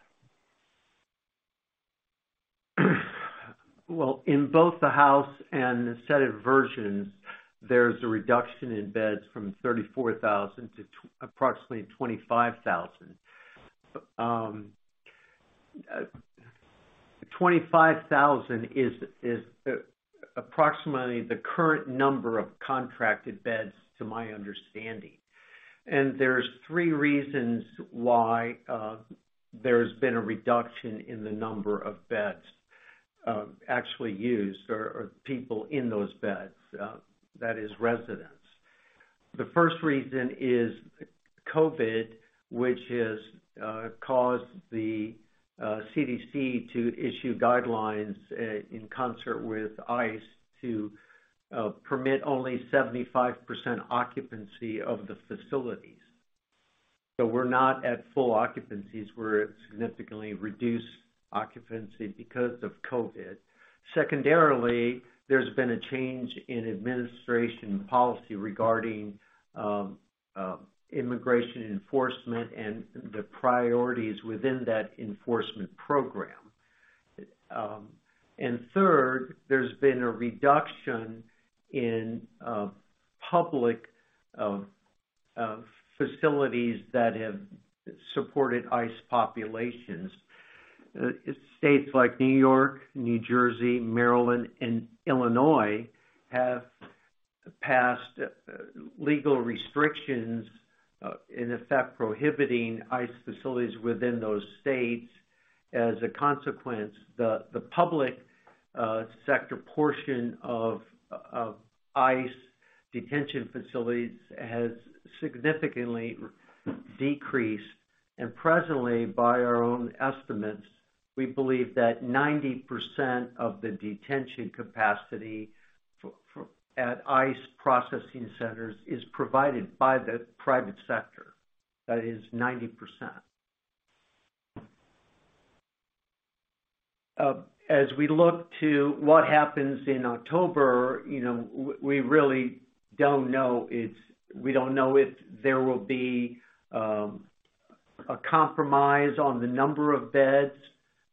In both the House and the Senate versions, there's a reduction in beds from 34,000 to approximately 25,000. Twenty-five thousand is approximately the current number of contracted beds, to my understanding. There's three reasons why there's been a reduction in the number of beds actually used or people in those beds, that is residents. The first reason is COVID, which has caused the CDC to issue guidelines in concert with ICE to permit only 75% occupancy of the facilities. We're not at full occupancies. We're at significantly reduced occupancy because of COVID. Secondarily, there's been a change in administration policy regarding immigration enforcement and the priorities within that enforcement program. Third, there's been a reduction in public facilities that have supported ICE populations. States like New York, New Jersey, Maryland, and Illinois have passed legal restrictions in effect prohibiting ICE facilities within those states. As a consequence, the public sector portion of ICE detention facilities has significantly decreased. Presently, by our own estimates, we believe that 90% of the detention capacity at ICE processing centers is provided by the private sector. That is 90%. As we look to what happens in October, you know, we really don't know if there will be a compromise on the number of beds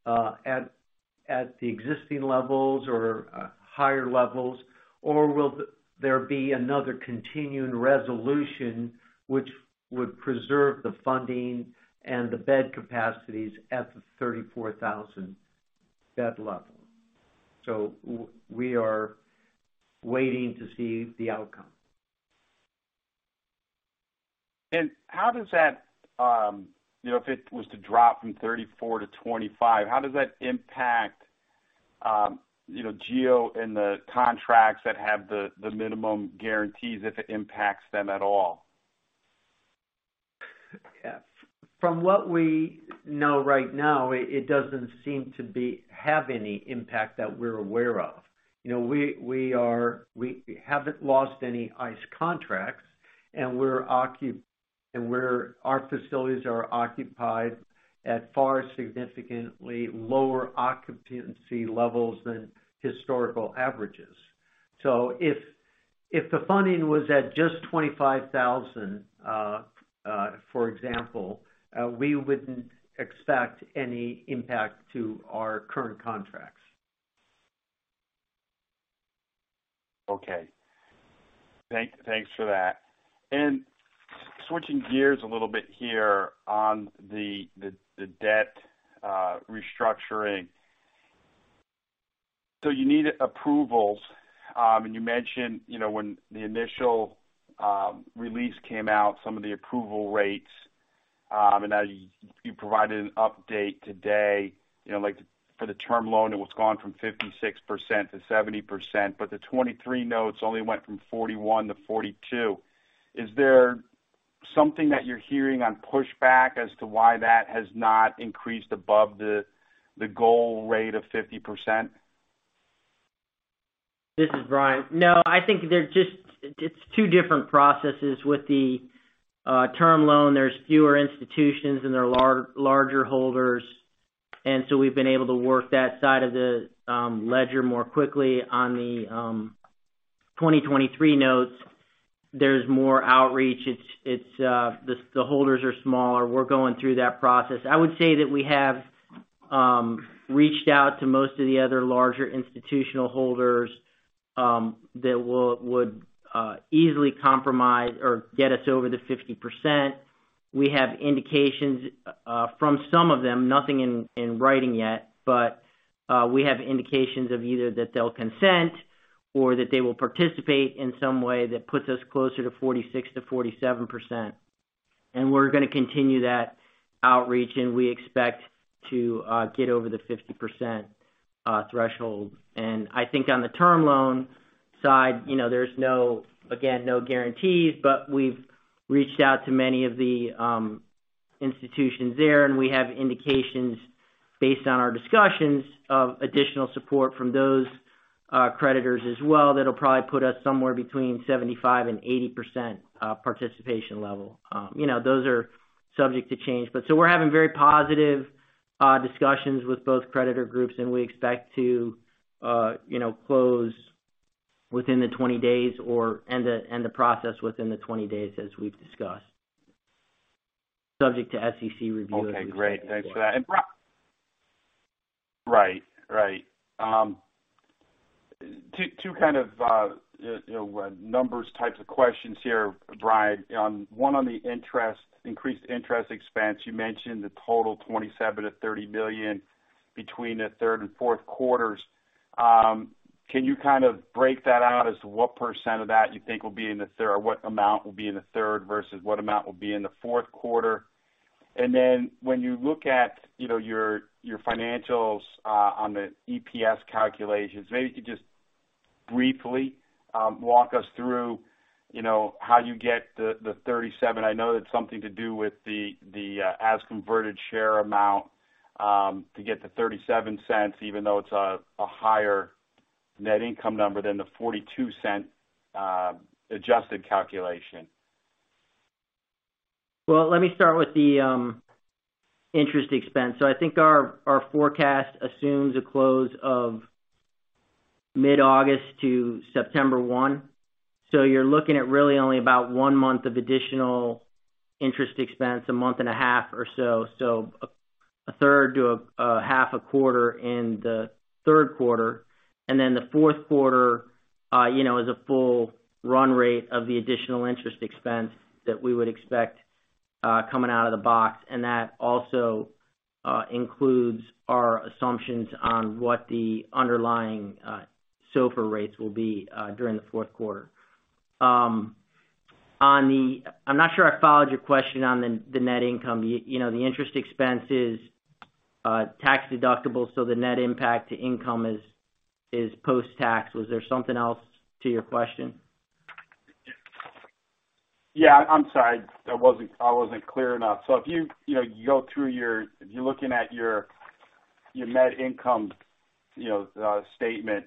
at the existing levels or higher levels, or will there be another continuing resolution which would preserve the funding and the bed capacities at the 34,000 bed level. We are waiting to see the outcome. How does that, you know, if it was to drop from 34 to 25, how does that impact, you know, GEO and the contracts that have the minimum guarantees, if it impacts them at all? Yeah. From what we know right now, it doesn't seem to have any impact that we're aware of. You know, we haven't lost any ICE contracts, and our facilities are occupied at far significantly lower occupancy levels than historical averages. If the funding was at just $25,000, for example, we wouldn't expect any impact to our current contracts. Okay. Thanks for that. Switching gears a little bit here on the debt restructuring. You needed approvals, and you mentioned, you know, when the initial release came out, some of the approval rates. Now you provided an update today, you know, like for the term loan, it was gone from 56% to 70%, but the '23 notes only went from 41% to 42%. Is there something that you're hearing on pushback as to why that has not increased above the goal rate of 50%? This is Brian. No, I think it's two different processes. With the term loan, there's fewer institutions, and they're larger holders. We've been able to work that side of the ledger more quickly. On the 2023 notes, there's more outreach. It's the holders are smaller. We're going through that process. I would say that we have reached out to most of the other larger institutional holders that would easily compromise or get us over the 50%. We have indications from some of them, nothing in writing yet, but we have indications of either that they'll consent or that they will participate in some way that puts us closer to 46%-47%. We're gonna continue that outreach, and we expect to get over the 50% threshold. I think on the term loan side, you know, there's no, again, no guarantees, but we've reached out to many of the institutions there, and we have indications based on our discussions of additional support from those creditors as well that'll probably put us somewhere between 75% and 80% participation level. You know, those are subject to change. We're having very positive discussions with both creditor groups, and we expect to, you know, close within the 20 days or end the process within the 20 days as we've discussed, subject to SEC review. Okay, great. Thanks for that. Right. Two kinds of questions here, Brian. One on the increased interest expense. You mentioned the total $27 million-$30 million between the third and fourth quarters. Can you kind of break that out as to what % of that you think will be in the third or what amount will be in the third versus what amount will be in the fourth quarter? When you look at your financials on the EPS calculations, maybe if you could just briefly walk us through how you get the 37. I know that's something to do with the as converted share amount to get to $0.37, even though it's a higher net income number than the $0.42 adjusted calculation. Well, let me start with the interest expense. I think our forecast assumes a close of mid-August to September 1. You're looking at really only about one month of additional interest expense, a month and a half or so. A third to a half a quarter in the third quarter, and then the fourth quarter, you know, is a full run rate of the additional interest expense that we would expect, coming out of the box. That also includes our assumptions on what the underlying SOFR rates will be during the fourth quarter. I'm not sure I followed your question on the net income. You know, the interest expense is tax deductible, so the net impact to income is post-tax. Was there something else to your question? Yeah, I'm sorry. I wasn't clear enough. If you know, you go through your. If you're looking at your net income, you know, statement,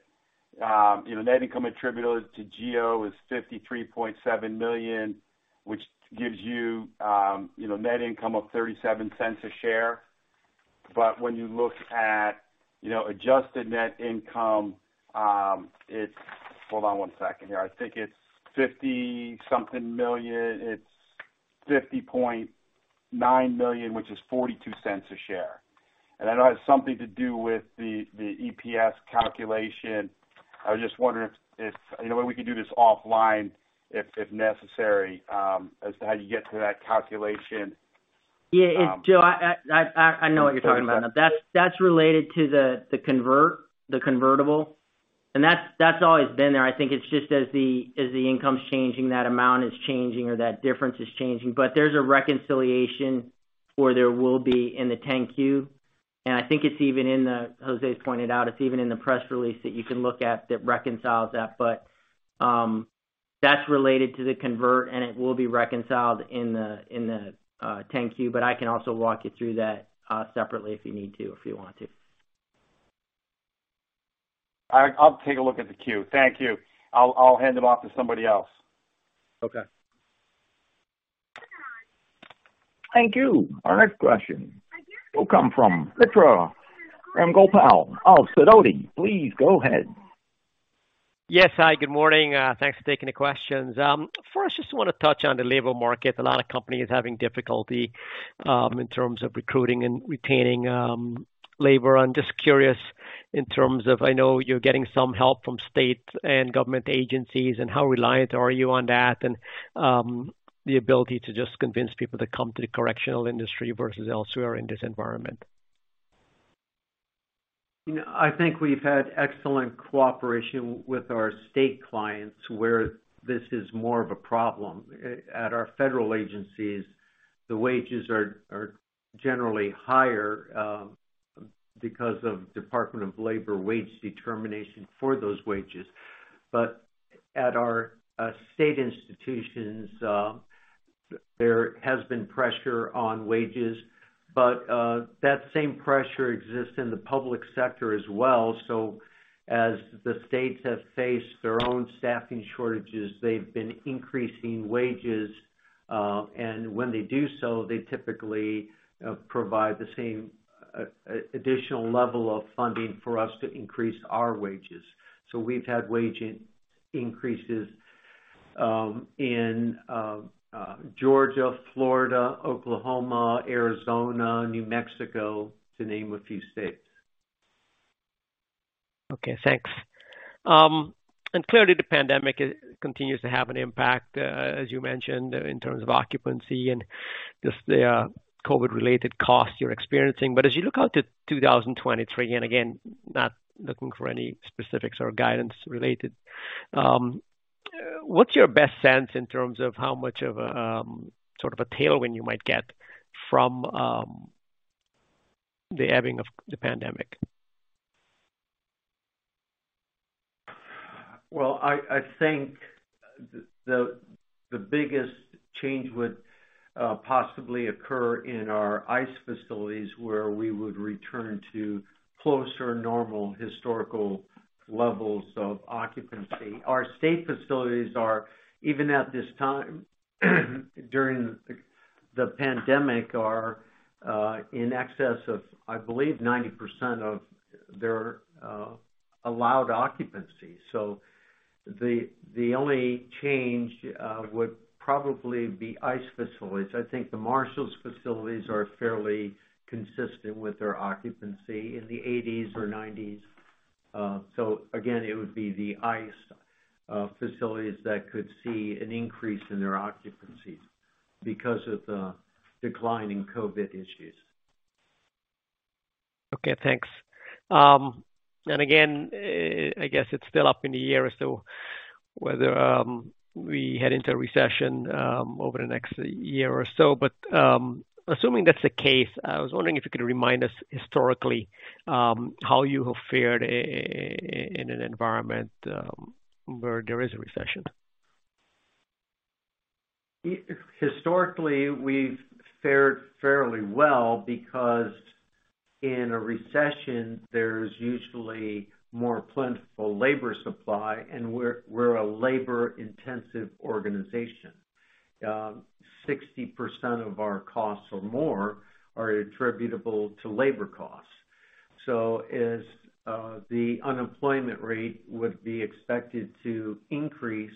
net income attributable to GEO is $53.7 million, which gives you net income of $0.37 a share. But when you look at adjusted net income, it's. Hold on one second here. I think it's fifty-something million. It's $50.9 million, which is $0.42 a share. I know it has something to do with the EPS calculation. I was just wondering if you know, maybe we can do this offline if necessary, as to how you get to that calculation. Yeah, it's Joe. I know what you're talking about now. That's related to the convertible. That's always been there. I think it's just as the income's changing, that amount is changing or that difference is changing. There's a reconciliation, or there will be in the 10-Q. I think it's even in the press release that you can look at that reconciles that. Jose's pointed out, it's even in the press release that you can look at that reconciles that. That's related to the convertible, and it will be reconciled in the 10-Q. I can also walk you through that separately if you need to or if you want to. All right. I'll take a look at the Q. Thank you. I'll hand it off to somebody else. Okay. Thank you. Our next question will come from Mitra Ramgopal of Sidoti. Please go ahead. Yes. Hi, good morning. Thanks for taking the questions. First, just wanna touch on the labor market. A lot of companies are having difficulty in terms of recruiting and retaining labor. I'm just curious in terms of, I know you're getting some help from state and government agencies, and how reliant are you on that, and the ability to just convince people to come to the correctional industry versus elsewhere in this environment? You know, I think we've had excellent cooperation with our state clients, where this is more of a problem. At our federal agencies, the wages are generally higher because of Department of Labor wage determination for those wages. At our state institutions, there has been pressure on wages, but that same pressure exists in the public sector as well. As the states have faced their own staffing shortages, they've been increasing wages. When they do so, they typically provide the same additional level of funding for us to increase our wages. We've had wage increases in Georgia, Florida, Oklahoma, Arizona, New Mexico, to name a few states. Okay, thanks. Clearly the pandemic continues to have an impact, as you mentioned, in terms of occupancy and just the COVID-related costs you're experiencing. As you look out to 2023, and again, not looking for any specifics or guidance related, what's your best sense in terms of how much of a sort of a tailwind you might get from the ebbing of the pandemic? I think the biggest change would possibly occur in our ICE facilities, where we would return to closer normal historical levels of occupancy. Our state facilities are, even at this time, during the pandemic, in excess of, I believe, 90% of their allowed occupancy. The only change would probably be ICE facilities. I think the U.S. Marshals facilities are fairly consistent with their occupancy in the 80s or 90s. It would be the ICE facilities that could see an increase in their occupancies because of the decline in COVID issues. Okay, thanks. Again, I guess it's still up in the air as to whether we head into a recession over the next year or so. Assuming that's the case, I was wondering if you could remind us historically how you have fared in an environment where there is a recession. Historically, we've fared fairly well because in a recession, there's usually more plentiful labor supply, and we're a labor-intensive organization. 60% of our costs or more are attributable to labor costs. As the unemployment rate would be expected to increase,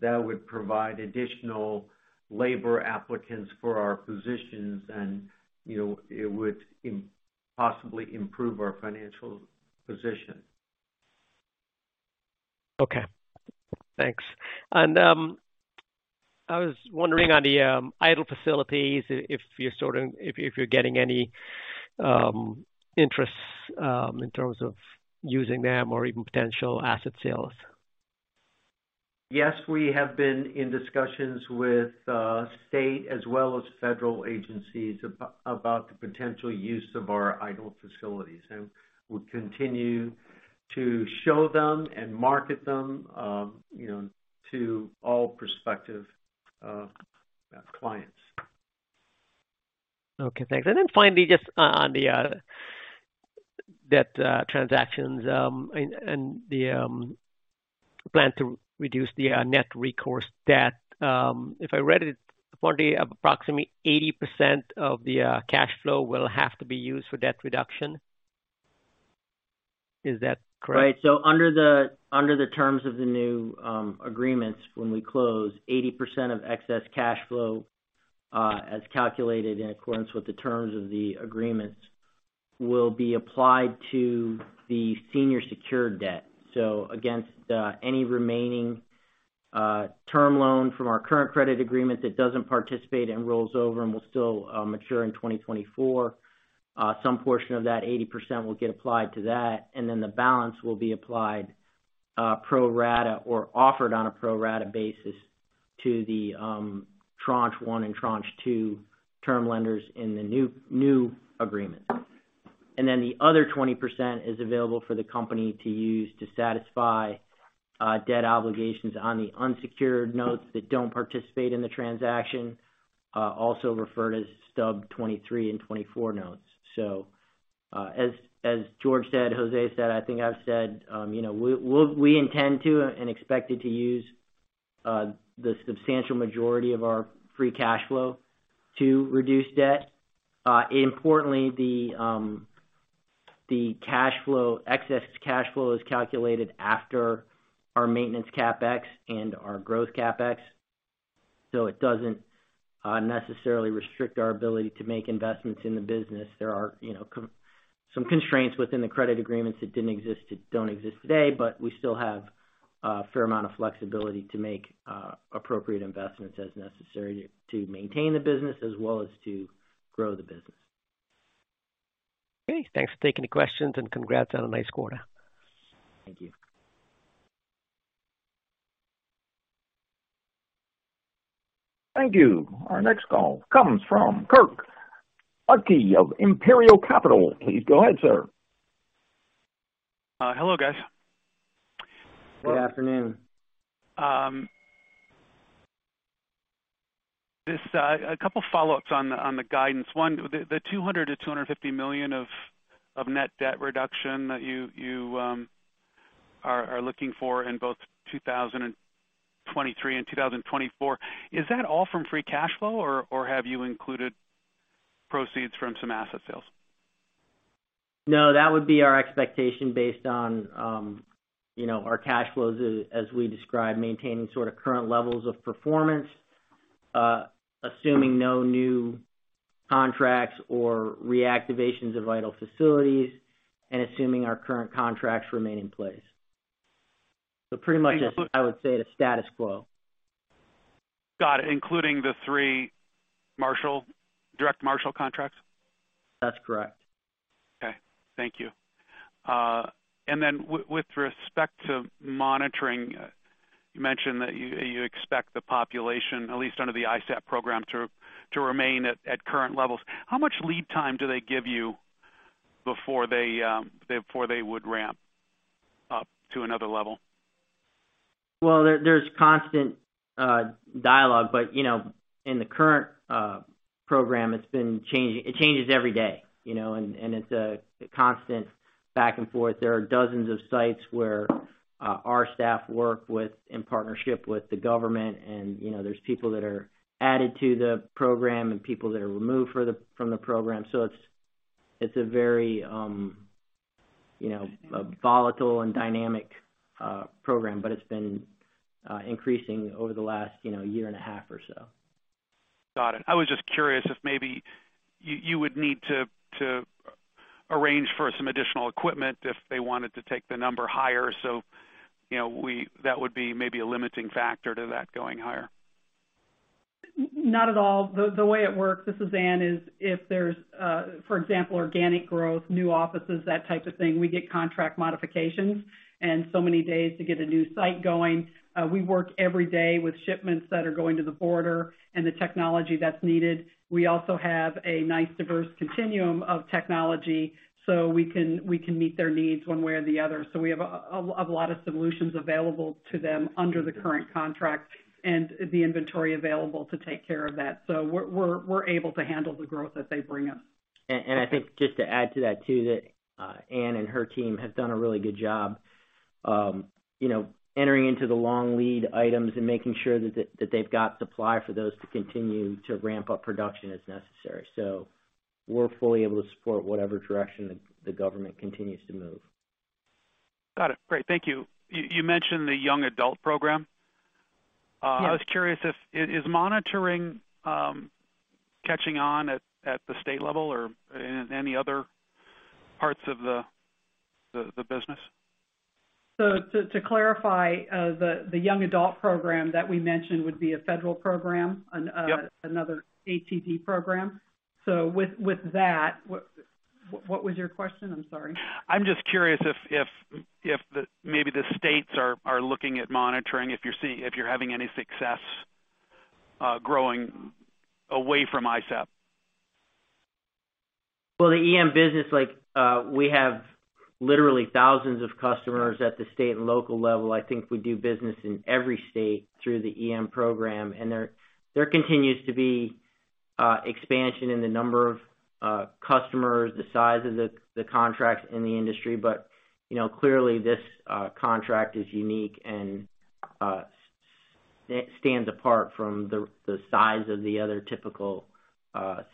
that would provide additional labor applicants for our positions and, you know, it would possibly improve our financial position. Okay, thanks. I was wondering on the idle facilities, if you're getting any interest in terms of using them or even potential asset sales. Yes, we have been in discussions with state as well as federal agencies about the potential use of our idle facilities, and we'll continue to show them and market them, you know, to all prospective clients. Okay, thanks. Then finally, just on the debt transactions, and the plan to reduce the net recourse debt. If I read it correctly, approximately 80% of the cash flow will have to be used for debt reduction. Is that correct? Under the terms of the new agreements, when we close, 80% of excess cash flow, as calculated in accordance with the terms of the agreements, will be applied to the senior secured debt. Against any remaining term loan from our current credit agreement that doesn't participate and rolls over and will still mature in 2024, some portion of that 80% will get applied to that. The balance will be applied pro rata or offered on a pro rata basis to the tranche 1 and tranche 2 term lenders in the new agreement. The other 20% is available for the company to use to satisfy debt obligations on the unsecured notes that don't participate in the transaction, also referred to as stub 2023 and 2024 notes. As George said, Jose said, I think I've said, you know, we intend to and expect to use the substantial majority of our free cash flow to reduce debt. Importantly, the cash flow, excess cash flow is calculated after our maintenance CapEx and our growth CapEx. It doesn't necessarily restrict our ability to make investments in the business. There are, you know, some constraints within the credit agreements that didn't exist, that don't exist today, but we still have a fair amount of flexibility to make appropriate investments as necessary to maintain the business as well as to grow the business. Okay. Thanks for taking the questions and congrats on a nice quarter. Thank you. Thank you. Our next call comes from Kirk Ludtke of Imperial Capital. Please go ahead, sir. Hello, guys. Good afternoon. Just a couple follow-ups on the guidance. One, the $200 million-$250 million of net debt reduction that you are looking for in both 2023 and 2024, is that all from free cash flow or have you included proceeds from some asset sales? No, that would be our expectation based on, you know, our cash flows as we describe, maintaining sort of current levels of performance, assuming no new contracts or reactivations of idle facilities and assuming our current contracts remain in place. Pretty much I would say the status quo. Got it. Including the three Marshal, direct Marshal contracts? That's correct. Okay. Thank you. With respect to monitoring, you mentioned that you expect the population, at least under the ISAP program, to remain at current levels. How much lead time do they give you before they would ramp up to another level? There's constant dialogue, but, you know, in the current program, it's been changing. It changes every day, you know, and it's a constant back and forth. There are dozens of sites where our staff work with in partnership with the government and, you know, there's people that are added to the program and people that are removed from the program. It's a very volatile and dynamic program, but it's been increasing over the last year and a half or so. Got it. I was just curious if maybe you would need to arrange for some additional equipment if they wanted to take the number higher. You know, that would be maybe a limiting factor to that going higher. Not at all. The way it works, this is Ann, is if there's, for example, organic growth, new offices, that type of thing, we get contract modifications and so many days to get a new site going. We work every day with shipments that are going to the border and the technology that's needed. We also have a nice diverse continuum of technology, so we can meet their needs one way or the other. We have a lot of solutions available to them under the current contract and the inventory available to take care of that. We're able to handle the growth that they bring us. I think just to add to that too, that Ann and her team have done a really good job, you know, entering into the long lead items and making sure that they've got supply for those to continue to ramp up production as necessary. We're fully able to support whatever direction the government continues to move. Got it. Great. Thank you. You mentioned the young adult program. Yes. I was curious if is monitoring catching on at the state level or any other parts of the business? To clarify, the young adult program that we mentioned would be a federal program. Yep. Another ATD program. With that. What was your question? I'm sorry. I'm just curious if maybe the states are looking at monitoring, if you're having any success growing away from ISAP. Well, the EM business like, we have literally thousands of customers at the state and local level. I think we do business in every state through the EM program, and there continues to be expansion in the number of customers, the size of the contracts in the industry. You know, clearly this contract is unique and stands apart from the size of the other typical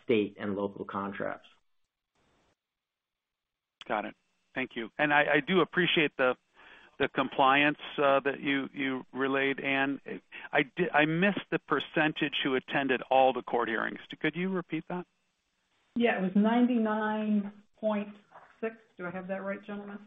state and local contracts. Got it. Thank you. I do appreciate the compliance that you relayed, Ann. I missed the percentage who attended all the court hearings. Could you repeat that? Yeah. It was 99.6%. Do I have that right, gentlemen?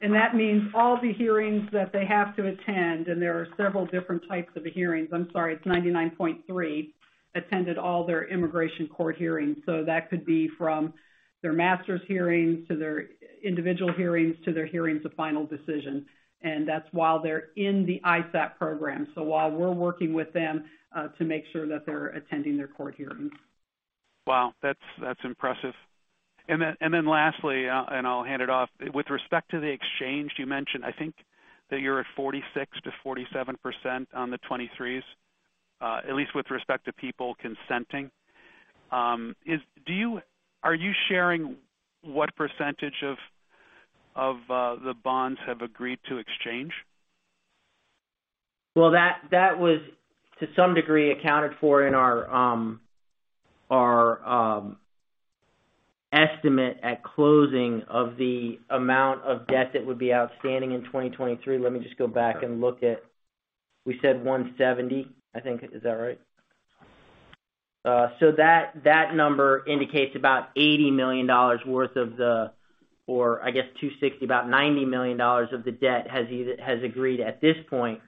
That means all the hearings that they have to attend, and there are several different types of hearings. I'm sorry, it's 99.3%, attended all their immigration court hearings. That could be from their master calendar hearings to their individual hearings to their hearings of final decision. That's while they're in the ISAP program. While we're working with them to make sure that they're attending their court hearings. Wow, that's impressive. Then lastly, and I'll hand it off. With respect to the exchange, you mentioned, I think that you're at 46%-47% on the 2023s, at least with respect to people consenting. Are you sharing what percentage of the bonds have agreed to exchange? Well, that was to some degree accounted for in our estimate at closing of the amount of debt that would be outstanding in 2023. Let me just go back and look at. We said 170, I think. Is that right? So that number indicates about $80 million worth of the, or I guess 260, about $90 million of the debt has either agreed at this point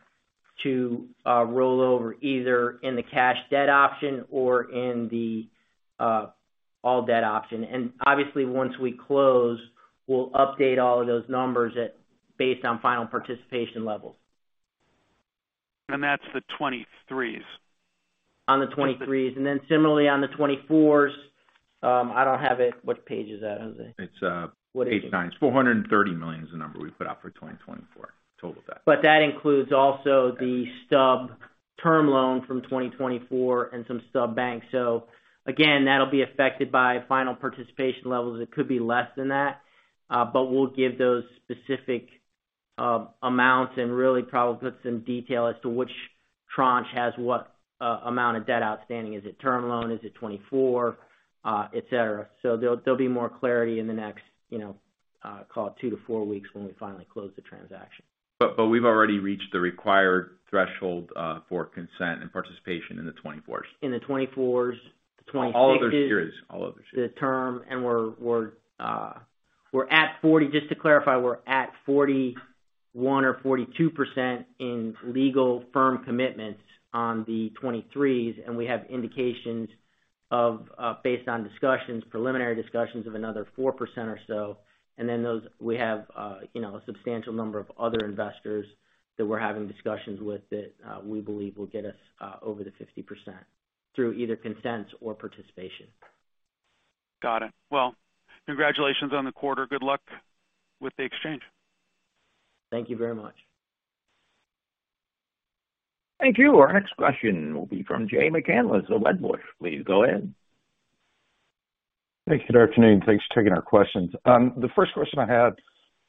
to roll over either in the cash debt option or in the all debt option. Obviously, once we close, we'll update all of those numbers based on final participation levels. That's the 2023s. On the 23s. Similarly on the 24s, I don't have it. What page is that, Jose? It's What is it? Page nine. $430 million is the number we put out for 2024, total debt. That includes also the stub term loan from 2024 and some stub bank. Again, that'll be affected by final participation levels. It could be less than that. But we'll give those specific amounts and really probably put some detail as to which tranche has what amount of debt outstanding. Is it term loan? Is it 2024? Et cetera. There'll be more clarity in the next, you know, call it 2-4 weeks when we finally close the transaction. We've already reached the required threshold for consent and participation in the 2024s. In the twenty-fours, the twenty-sixes. All of those years. Just to clarify, we're at 41%-42% in legal firm commitments on the 23s. We have indications of, based on discussions, preliminary discussions of another 4% or so. Then those we have, you know, a substantial number of other investors that we're having discussions with that we believe will get us over the 50% through either consents or participation. Got it. Well, congratulations on the quarter. Good luck with the exchange. Thank you very much. Thank you. Our next question will be from Jay McCanless of Wedbush. Please go ahead. Thanks. Good afternoon, thanks for taking our questions. The first question I had,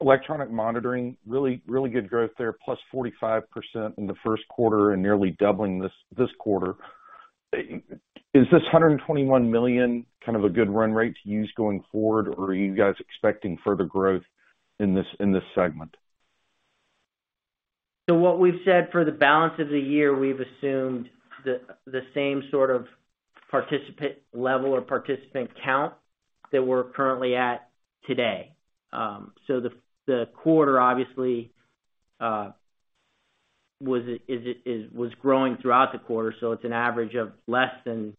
electronic monitoring, really good growth there, +45% in the first quarter and nearly doubling this quarter. Is this $121 million kind of a good run rate to use going forward, or are you guys expecting further growth in this segment? What we've said for the balance of the year, we've assumed the same sort of participant level or participant count that we're currently at today. The quarter obviously was growing throughout the quarter, so it's an average of less than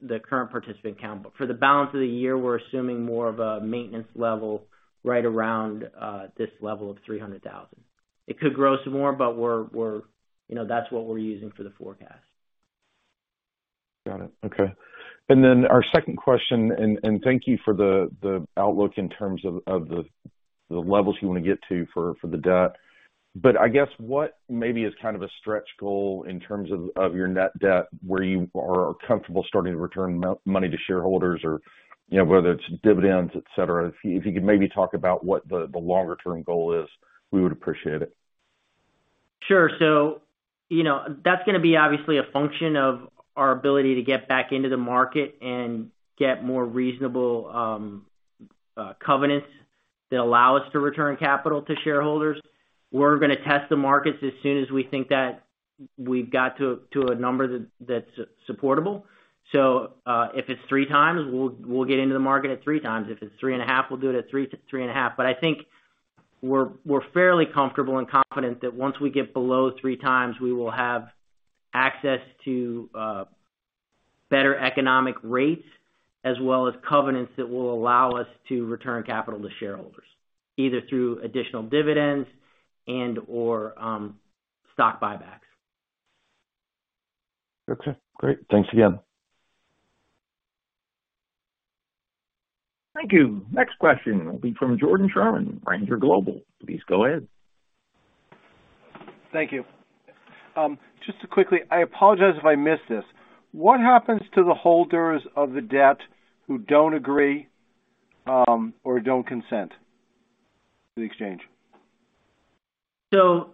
the current participant count. For the balance of the year, we're assuming more of a maintenance level right around this level of 300,000. It could grow some more, but we're, you know, that's what we're using for the forecast. Got it. Okay. Then our second question, and thank you for the outlook in terms of the levels you wanna get to for the debt. I guess what maybe is kind of a stretch goal in terms of your net debt, where you are comfortable starting to return money to shareholders or, you know, whether it's dividends, et cetera. If you could maybe talk about what the longer term goal is, we would appreciate it. Sure. You know, that's gonna be obviously a function of our ability to get back into the market and get more reasonable covenants that allow us to return capital to shareholders. We're gonna test the markets as soon as we think that we've got to a number that's supportable. If it's 3x, we'll get into the market at 3x. If it's 3.5, we'll do it at 3-3.5. I think we're fairly comfortable and confident that once we get below 3x, we will have access to better economic rates as well as covenants that will allow us to return capital to shareholders, either through additional dividends and/or stock buybacks. Okay, great. Thanks again. Thank you. Next question will be from Jordan Sherman, Ranger Global. Please go ahead. Thank you. Just to quickly, I apologize if I missed this. What happens to the holders of the debt who don't agree, or don't consent to the exchange? On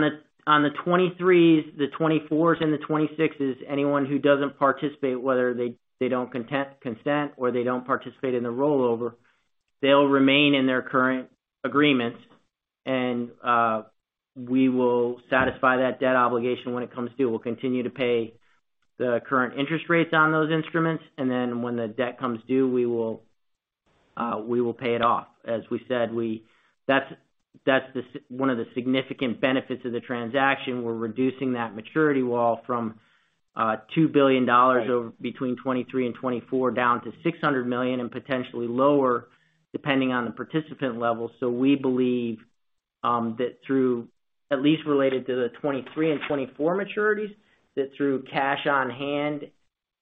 the 2023s, the 2024s and the 2026s, anyone who doesn't participate, whether they don't consent or they don't participate in the rollover, they'll remain in their current agreements. We will satisfy that debt obligation when it comes due. We'll continue to pay the current interest rates on those instruments, and then when the debt comes due, we will pay it off. As we said, that's one of the significant benefits of the transaction. We're reducing that maturity wall from $2 billion over between 2023 and 2024, down to $600 million and potentially lower, depending on the participant level. We believe that through at least related to the 2023 and 2024 maturities, that through cash on hand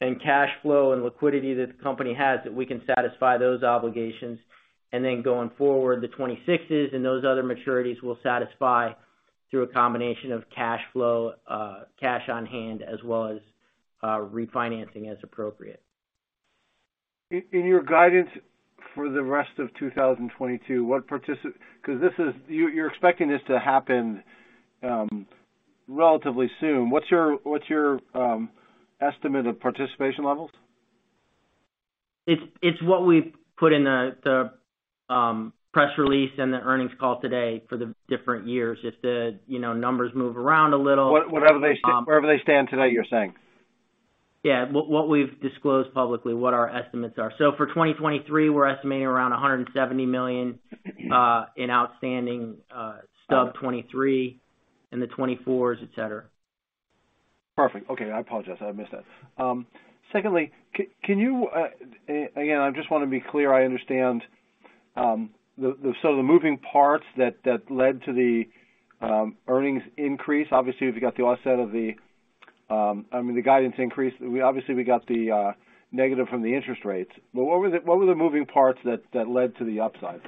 and cash flow and liquidity that the company has, that we can satisfy those obligations. Then going forward, the 2026s and those other maturities will satisfy through a combination of cash flow, cash on hand, as well as, refinancing as appropriate. In your guidance for the rest of 2022, you're expecting this to happen relatively soon. What's your estimate of participation levels? It's what we've put in the press release and the earnings call today for the different years. If the, you know, numbers move around a little. Wherever they stand today, you're saying? Yeah. What we've disclosed publicly, what our estimates are. For 2023, we're estimating around $170 million in outstanding stub 2023 and the 2024s, etc. Perfect. Okay. I apologize. I missed that. Secondly, can you, and I just wanna be clear, I understand the sort of moving parts that led to the earnings increase. Obviously, you've got the offset of the, I mean, the guidance increase. We obviously got the negative from the interest rates, but what were the moving parts that led to the upside?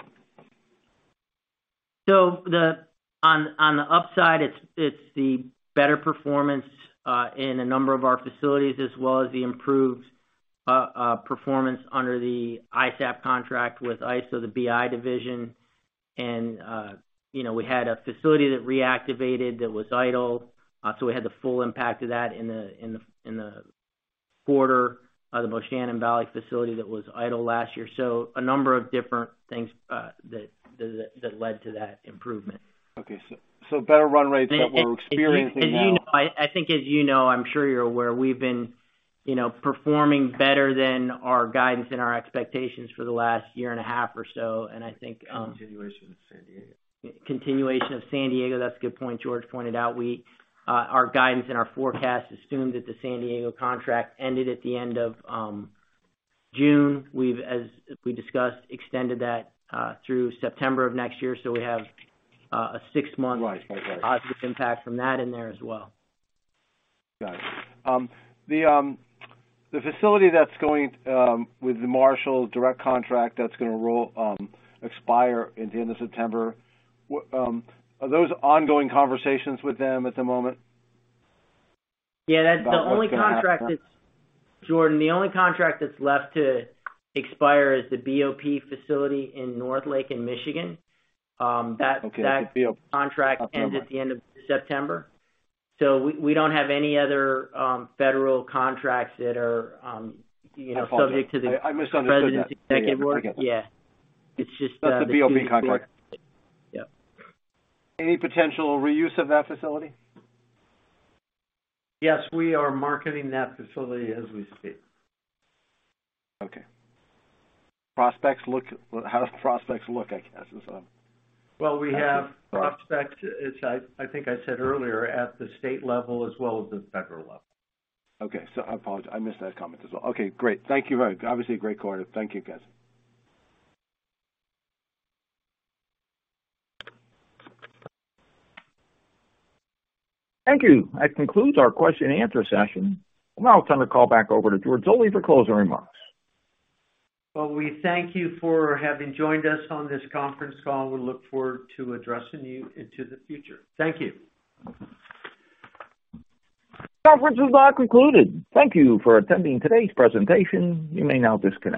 On the upside, it's the better performance in a number of our facilities as well as the improved performance under the ISAP contract with ICE, the BI division. You know, we had a facility that reactivated that was idle, so we had the full impact of that in the quarter, the Moshannon Valley facility that was idle last year. A number of different things that led to that improvement. Okay. Better run rates that we're experiencing now. As you know, I think as you know, I'm sure you're aware, we've been, you know, performing better than our guidance and our expectations for the last year and a half or so. I think Continuation of San Diego. Continuation of San Diego, that's a good point. George pointed out our guidance and our forecast assumed that the San Diego contract ended at the end of June. We've, as we discussed, extended that through September of next year. We have a six-month- Right. positive impact from that in there as well. Got it. The facility that's going with the Marshals direct contract that's gonna roll expire at the end of September, what are those ongoing conversations with them at the moment? Yeah. The only contract that's. About what's gonna happen. Jordan, the only contract that's left to expire is the BOP facility in Northlake in Michigan. Okay. That contract ends at the end of September. We don't have any other federal contracts that are, you know, subject to the- I misunderstood that. President's executive order. Yeah. It's just, That's the BOP contract. Yeah. Any potential reuse of that facility? Yes, we are marketing that facility as we speak. Okay. How does prospects look, I guess. Well, we have prospects, as I think I said earlier, at the state level as well as the federal level. Okay. I apologize. I missed that comment as well. Okay, great. Thank you very much. Obviously, a great quarter. Thank you, guys. Thank you. That concludes our question and answer session. We'll now turn the call back over to George Zoley for closing remarks. Well, we thank you for having joined us on this conference call, and we look forward to addressing you into the future. Thank you. Conference is now concluded. Thank you for attending today's presentation. You may now disconnect.